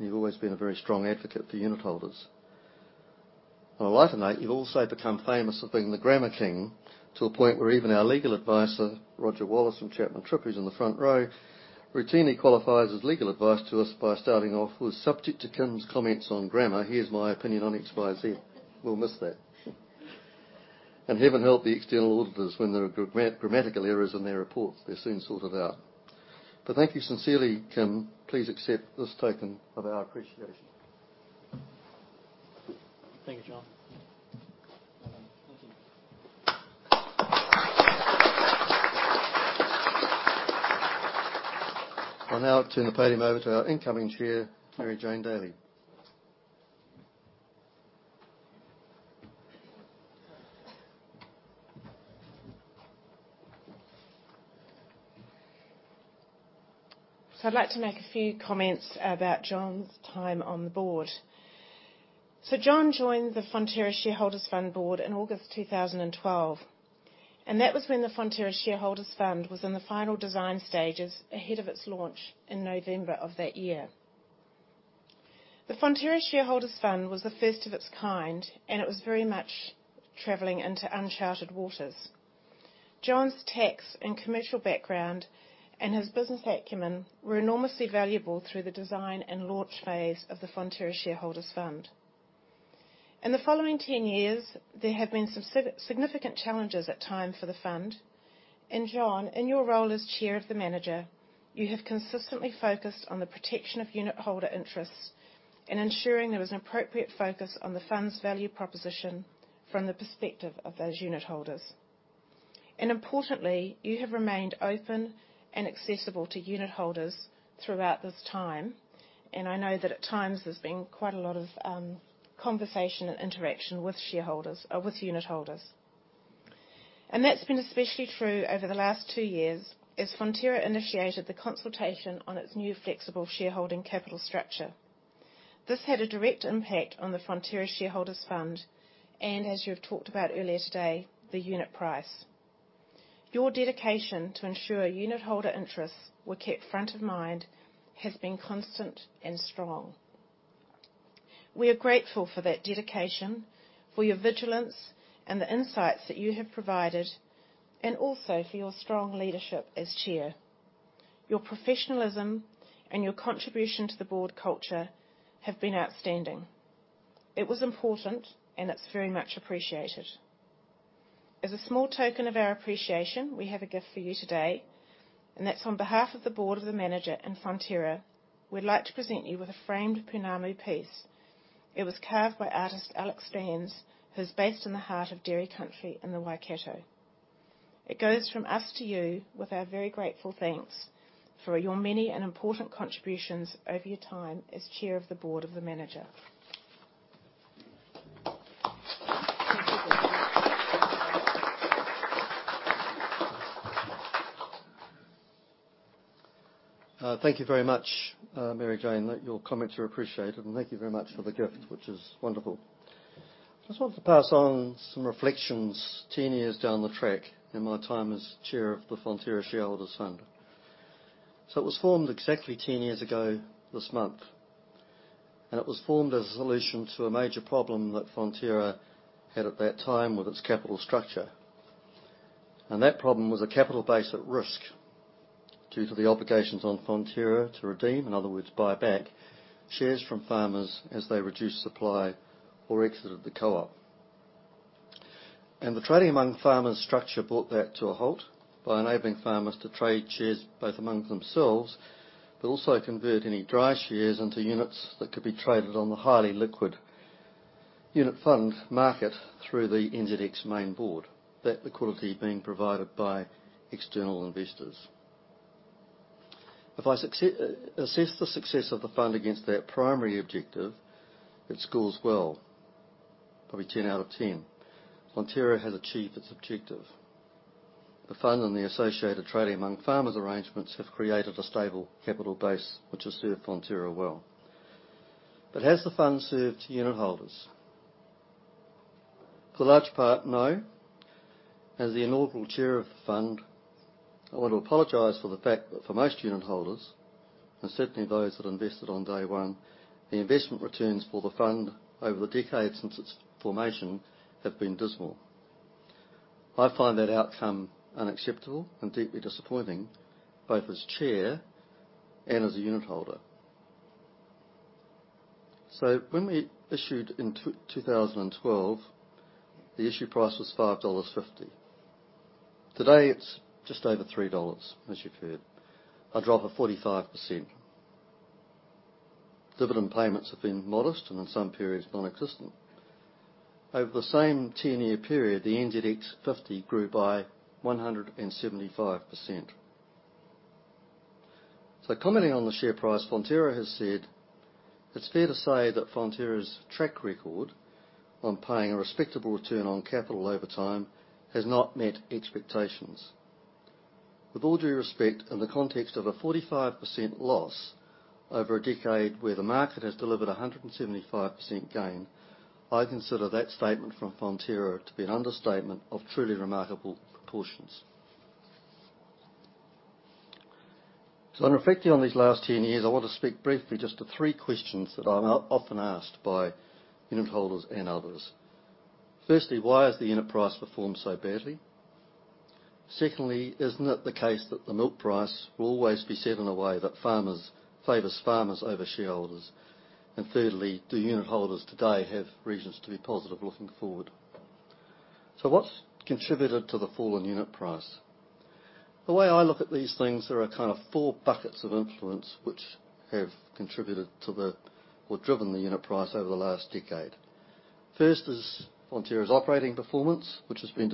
You've always been a very strong advocate for unitholders. On a lighter note, you've also become famous for being the grammar king, to a point where even our legal advisor, Roger Wallis from Chapman Tripp, who's in the front row, routinely qualifies his legal advice to us by starting off with, "Subject to Kim's comments on grammar, here's my opinion on XYZ." We'll miss that. Heaven help the external auditors when there are grammatical errors in their reports. They're soon sorted out. Thank you sincerely, Kim. Please accept this token of our appreciation. Thank you, John. Thank you. I'll now turn the podium over to our incoming chair, Mary-Jane Daly. I'd like to make a few comments about John's time on the board. John joined the Fonterra Shareholders' Fund board in August 2012, and that was when the Fonterra Shareholders' Fund was in the final design stages ahead of its launch in November of that year. The Fonterra Shareholders' Fund was the first of its kind, and it was very much traveling into uncharted waters. John's tax and commercial background and his business acumen were enormously valuable through the design and launch phase of the Fonterra Shareholders' Fund. In the following 10 years, there have been some significant challenges at times for the fund. John, in your role as chair of the manager, you have consistently focused on the protection of unitholder interests and ensuring there was an appropriate focus on the fund's value proposition from the perspective of those unitholders. Importantly, you have remained open and accessible to unitholders throughout this time. I know that at times there's been quite a lot of conversation and interaction with shareholders, with unitholders. That's been especially true over the last two years as Fonterra initiated the consultation on its new Flexible Shareholding capital structure. This had a direct impact on the Fonterra Shareholders' Fund and, as you have talked about earlier today, the unit price. Your dedication to ensure unitholder interests were kept front of mind has been constant and strong. We are grateful for that dedication, for your vigilance and the insights that you have provided, and also for your strong leadership as chair. Your professionalism and your contribution to the board culture have been outstanding. It was important, and it's very much appreciated. As a small token of our appreciation, we have a gift for you today, and that's on behalf of the board, of the manager, and Fonterra, we'd like to present you with a framed Pounamu piece. It was carved by artist Alex Sands, who's based in the heart of dairy country in the Waikato. It goes from us to you with our very grateful thanks for your many and important contributions over your time as chair of the board of the manager. Thank you. Thank you very much, Mary-Jane. Your comments are appreciated, and thank you very much for the gift, which is wonderful. I just wanted to pass on some reflections 10 years down the track in my time as chair of the Fonterra Shareholders' Fund. It was formed exactly 10 years ago this month. It was formed as a solution to a major problem that Fonterra had at that time with its capital structure. That problem was a capital base at risk due to the obligations on Fonterra to redeem, in other words, buy back, shares from farmers as they reduced supply or exited the co-op. The Trading Among Farmers structure brought that to a halt by enabling farmers to trade shares, both among themselves, but also convert any dry shares into units that could be traded on the highly liquid unit fund market through the NZX Main Board, that liquidity being provided by external investors. If I assess the success of the fund against that primary objective, it scores well, probably 10 out of 10. Fonterra has achieved its objective. The fund and the associated Trading Among Farmers arrangements have created a stable capital base, which has served Fonterra well. Has the fund served unitholders? For the large part, no. As the inaugural chair of the fund, I want to apologize for the fact that for most unitholders, and certainly those that invested on day one, the investment returns for the fund over the decade since its formation have been dismal. I find that outcome unacceptable and deeply disappointing, both as chair and as a unitholder. When we issued in 2012, the issue price was 5.50 dollars. Today it's just over 3 dollars, as you've heard, a drop of 45%. Dividend payments have been modest and in some periods nonexistent. Over the same 10-year period, the NZX Fifty grew by 175%. Commenting on the share price, Fonterra has said it's fair to say that Fonterra's track record on paying a respectable return on capital over time has not met expectations. With all due respect, in the context of a 45% loss over a decade where the market has delivered a 175% gain, I consider that statement from Fonterra to be an understatement of truly remarkable proportions. When reflecting on these last 10 years, I want to speak briefly just to three questions that I'm often asked by unitholders and others. Firstly, why has the unit price performed so badly? Secondly, isn't it the case that the milk price will always be set in a way that favors farmers over shareholders? And thirdly, do unitholders today have reasons to be positive looking forward? What's contributed to the fall in unit price? The way I look at these things, there are kind of 4 buckets of influence which have driven the unit price over the last decade. First is Fonterra's operating performance, which has been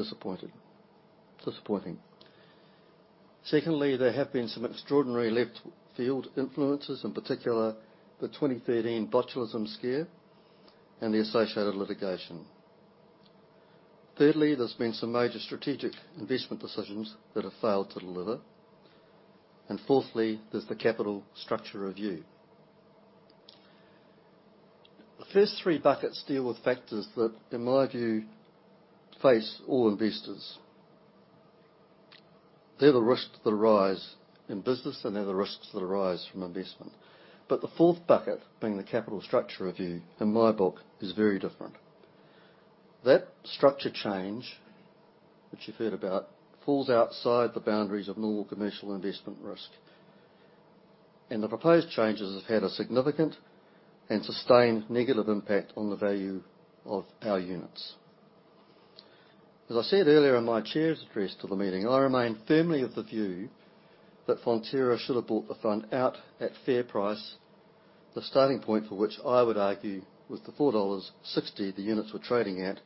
disappointing. Secondly, there have been some extraordinary left field influences, in particular the 2013 botulism scare and the associated litigation. Thirdly, there's been some major strategic investment decisions that have failed to deliver. Fourthly, there's the capital structure review. The first three buckets deal with factors that, in my view, face all investors. They're the risks that arise in business, and they're the risks that arise from investment. The fourth bucket, being the capital structure review, in my book, is very different. That structure change, which you've heard about, falls outside the boundaries of normal commercial investment risk. The proposed changes have had a significant and sustained negative impact on the value of our units. As I said earlier in my Chair's address to the meeting, I remain firmly of the view that Fonterra should have bought the Fund out at fair price, the starting point for which I would argue was the 4.60 dollars the units were trading at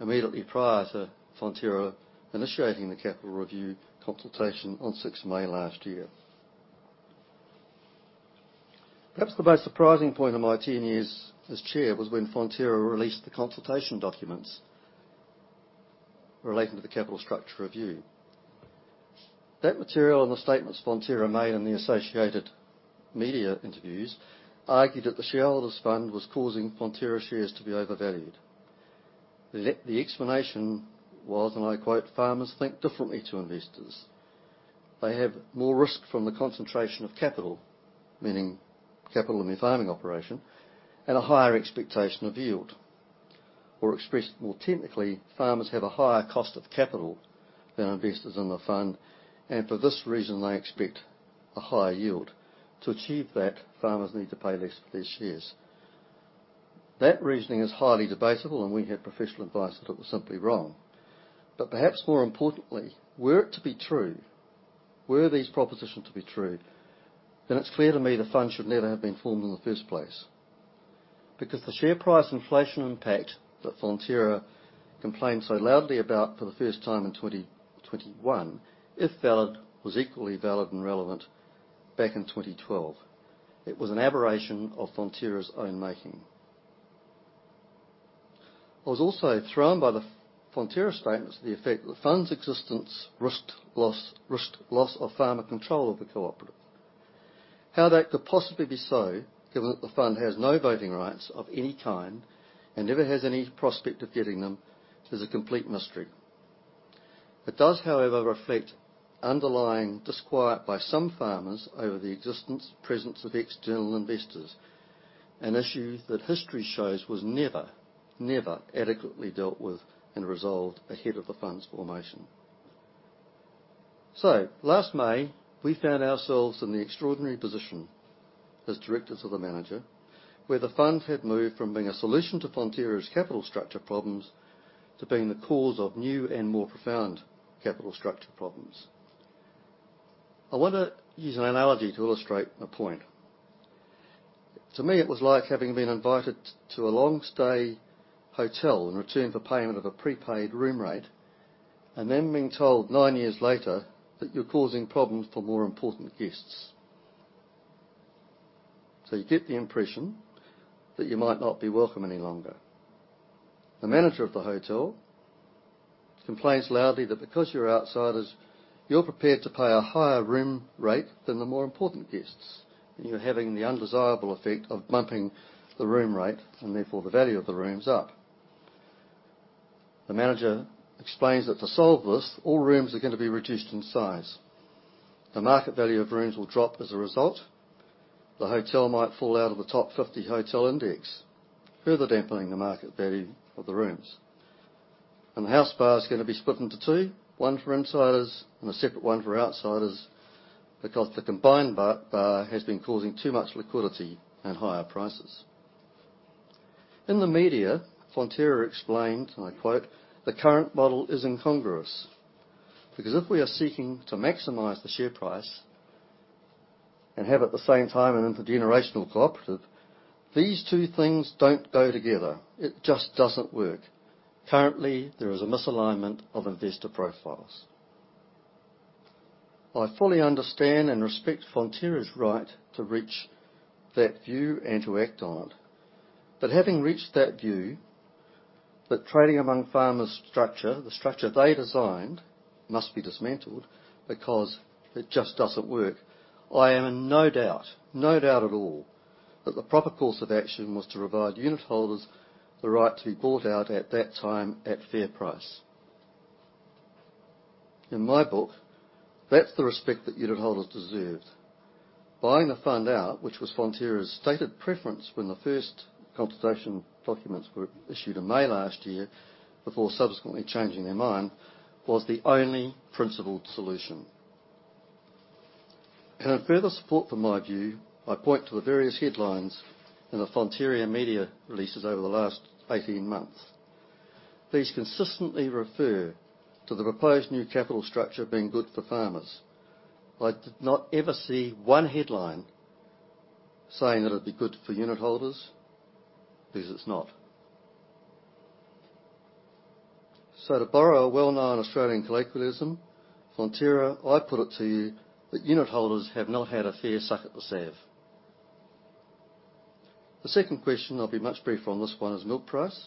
immediately prior to Fonterra initiating the capital review consultation on sixth May last year. Perhaps the most surprising point of my 10 years as Chair was when Fonterra released the consultation documents relating to the capital structure review. That material and the statements Fonterra made in the associated media interviews argued that the Shareholders' Fund was causing Fonterra shares to be overvalued. The explanation was, and I quote, "Farmers think differently to investors. They have more risk from the concentration of capital, meaning capital in their farming operation, and a higher expectation of yield. Expressed more technically, farmers have a higher cost of capital than investors in the Fund, and for this reason, they expect a higher yield. To achieve that, farmers need to pay less for their shares. That reasoning is highly debatable, and we have professional advice that it was simply wrong. Perhaps more importantly, were it to be true, were these propositions to be true, then it's clear to me the Fund should never have been formed in the first place. Because the share price inflation impact that Fonterra complained so loudly about for the first time in 2021, if valid, was equally valid and relevant back in 2012. It was an aberration of Fonterra's own making. I was also thrown by the Fonterra statements to the effect that the Fund's existence risked loss of farmer control of the cooperative. How that could possibly be so, given that the Fund has no voting rights of any kind and never has any prospect of getting them, is a complete mystery. It does, however, reflect underlying disquiet by some farmers over the existence, presence of external investors, an issue that history shows was never adequately dealt with and resolved ahead of the Fund's formation. Last May, we found ourselves in the extraordinary position as directors of the manager, where the Fund had moved from being a solution to Fonterra's capital structure problems to being the cause of new and more profound capital structure problems. I want to use an analogy to illustrate my point. To me, it was like having been invited to a long-stay hotel in return for payment of a prepaid room rate, and then being told nine years later that you're causing problems for more important guests. You get the impression that you might not be welcome any longer. The manager of the hotel complains loudly that because you're outsiders, you're prepared to pay a higher room rate than the more important guests, and you're having the undesirable effect of bumping the room rate and therefore the value of the rooms up. The manager explains that to solve this, all rooms are going to be reduced in size. The market value of rooms will drop as a result. The hotel might fall out of the top 50 hotel index, further dampening the market value of the rooms. The TAF bar is gonna be split into two, one for insiders and a separate one for outsiders, because the combined bar has been causing too much liquidity and higher prices. In the media, Fonterra explained, and I quote, "The current model is incongruous, because if we are seeking to maximize the share price and have at the same time an intergenerational cooperative, these two things don't go together. It just doesn't work. Currently, there is a misalignment of investor profiles." I fully understand and respect Fonterra's right to reach that view and to act on it. Having reached that view that Trading Among Farmers structure, the structure they designed, must be dismantled because it just doesn't work. I am in no doubt, no doubt at all, that the proper course of action was to provide unitholders the right to be bought out at that time at fair price. In my book, that's the respect that unitholders deserve. Buying the fund out, which was Fonterra's stated preference when the first consultation documents were issued in May last year, before subsequently changing their mind, was the only principled solution. In further support of my view, I point to the various headlines in the Fonterra media releases over the last 18 months. These consistently refer to the proposed new capital structure being good for farmers. I did not ever see one headline saying that it'd be good for unitholders. Because it's not. To borrow a well-known Australian colloquialism, Fonterra, I put it to you that unitholders have not had a fair suck at the sav. The second question, I'll be much briefer on this one, is milk price.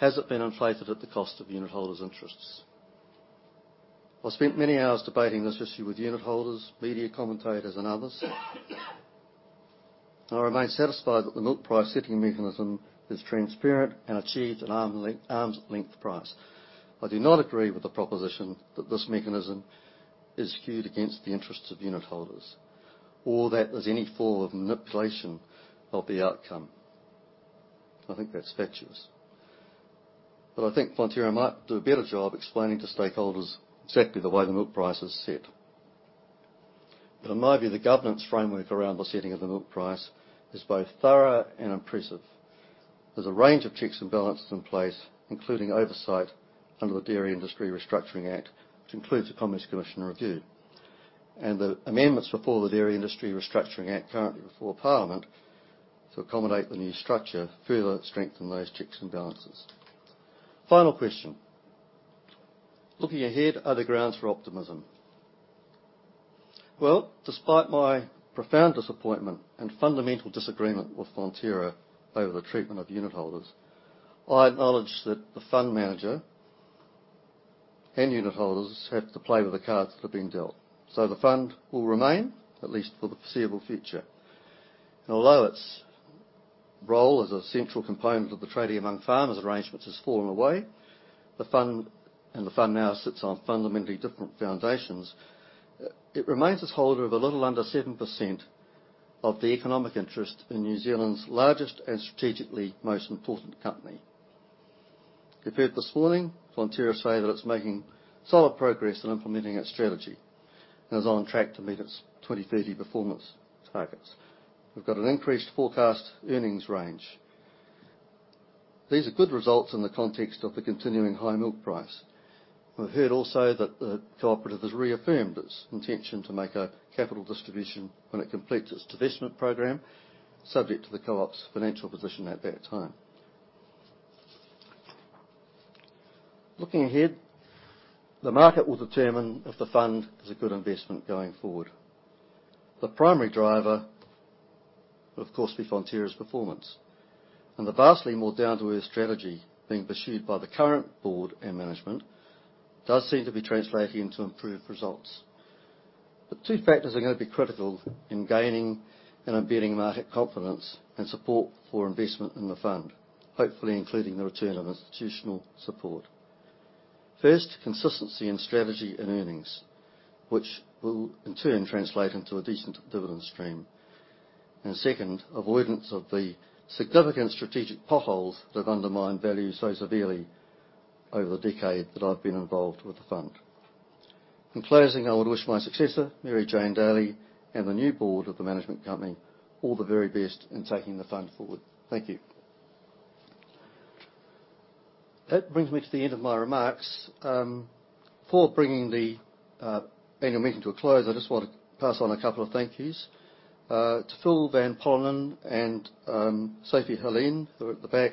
Has it been inflated at the cost of unitholders' interests? I've spent many hours debating this issue with unitholders, media commentators, and others. I remain satisfied that the milk price-setting mechanism is transparent and achieves an arm's-length price. I do not agree with the proposition that this mechanism is skewed against the interests of unitholders or that there's any form of manipulation of the outcome. I think that's fatuous. I think Fonterra might do a better job explaining to stakeholders exactly the way the milk price is set. In my view, the governance framework around the setting of the milk price is both thorough and impressive. There's a range of checks and balances in place, including oversight under the Dairy Industry Restructuring Act, which includes a Commerce Commission review. The amendments before the Dairy Industry Restructuring Act currently before Parliament to accommodate the new structure further strengthen those checks and balances. Final question: looking ahead, are there grounds for optimism? Well, despite my profound disappointment and fundamental disagreement with Fonterra over the treatment of unitholders, I acknowledge that the fund manager and unitholders have to play with the cards that they've been dealt. The fund will remain, at least for the foreseeable future. Although its role as a central component of the Trading Among Farmers' arrangements has fallen away, the fund now sits on fundamentally different foundations, it remains as holder of a little under 7% of the economic interest in New Zealand's largest and strategically most important company. You've heard this morning, Fonterra say that it's making solid progress in implementing its strategy and is on track to meet its 2030 performance targets. We've got an increased forecast earnings range. These are good results in the context of the continuing high milk price. We've heard also that the cooperative has reaffirmed its intention to make a capital distribution when it completes its divestment program, subject to the co-op's financial position at that time. Looking ahead, the market will determine if the fund is a good investment going forward. The primary driver will, of course, be Fonterra's performance. The vastly more down-to-earth strategy being pursued by the current board and management does seem to be translating into improved results. Two factors are gonna be critical in gaining and embedding market confidence and support for investment in the fund, hopefully including the return of institutional support. First, consistency in strategy and earnings, which will in turn translate into a decent dividend stream. Second, avoidance of the significant strategic potholes that undermine value so severely over the decade that I've been involved with the fund. In closing, I would wish my successor, Mary-Jane Daly, and the new board of the management company, all the very best in taking the fund forward. Thank you. That brings me to the end of my remarks. Before bringing the annual meeting to a close, I just want to pass on a couple of thank you's. To Philip van Polanen and Sophie Heleane at the back,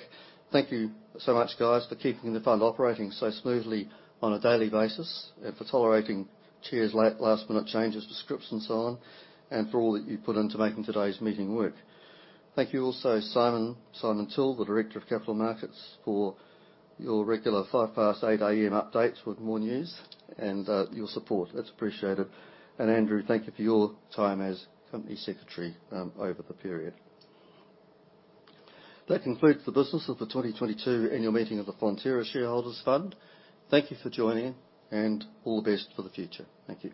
thank you so much, guys, for keeping the fund operating so smoothly on a daily basis and for tolerating Chair's last-minute changes to scripts and so on, and for all that you put in to making today's meeting work. Thank you also, Simon Till, Director of Capital Markets, for your regular 8:05 A.M. updates with more news and your support. That's appreciated. Andrew, thank you for your time as company secretary over the period. That concludes the business of the 2022 annual meeting of the Fonterra Shareholders' Fund. Thank you for joining, and all the best for the future. Thank you.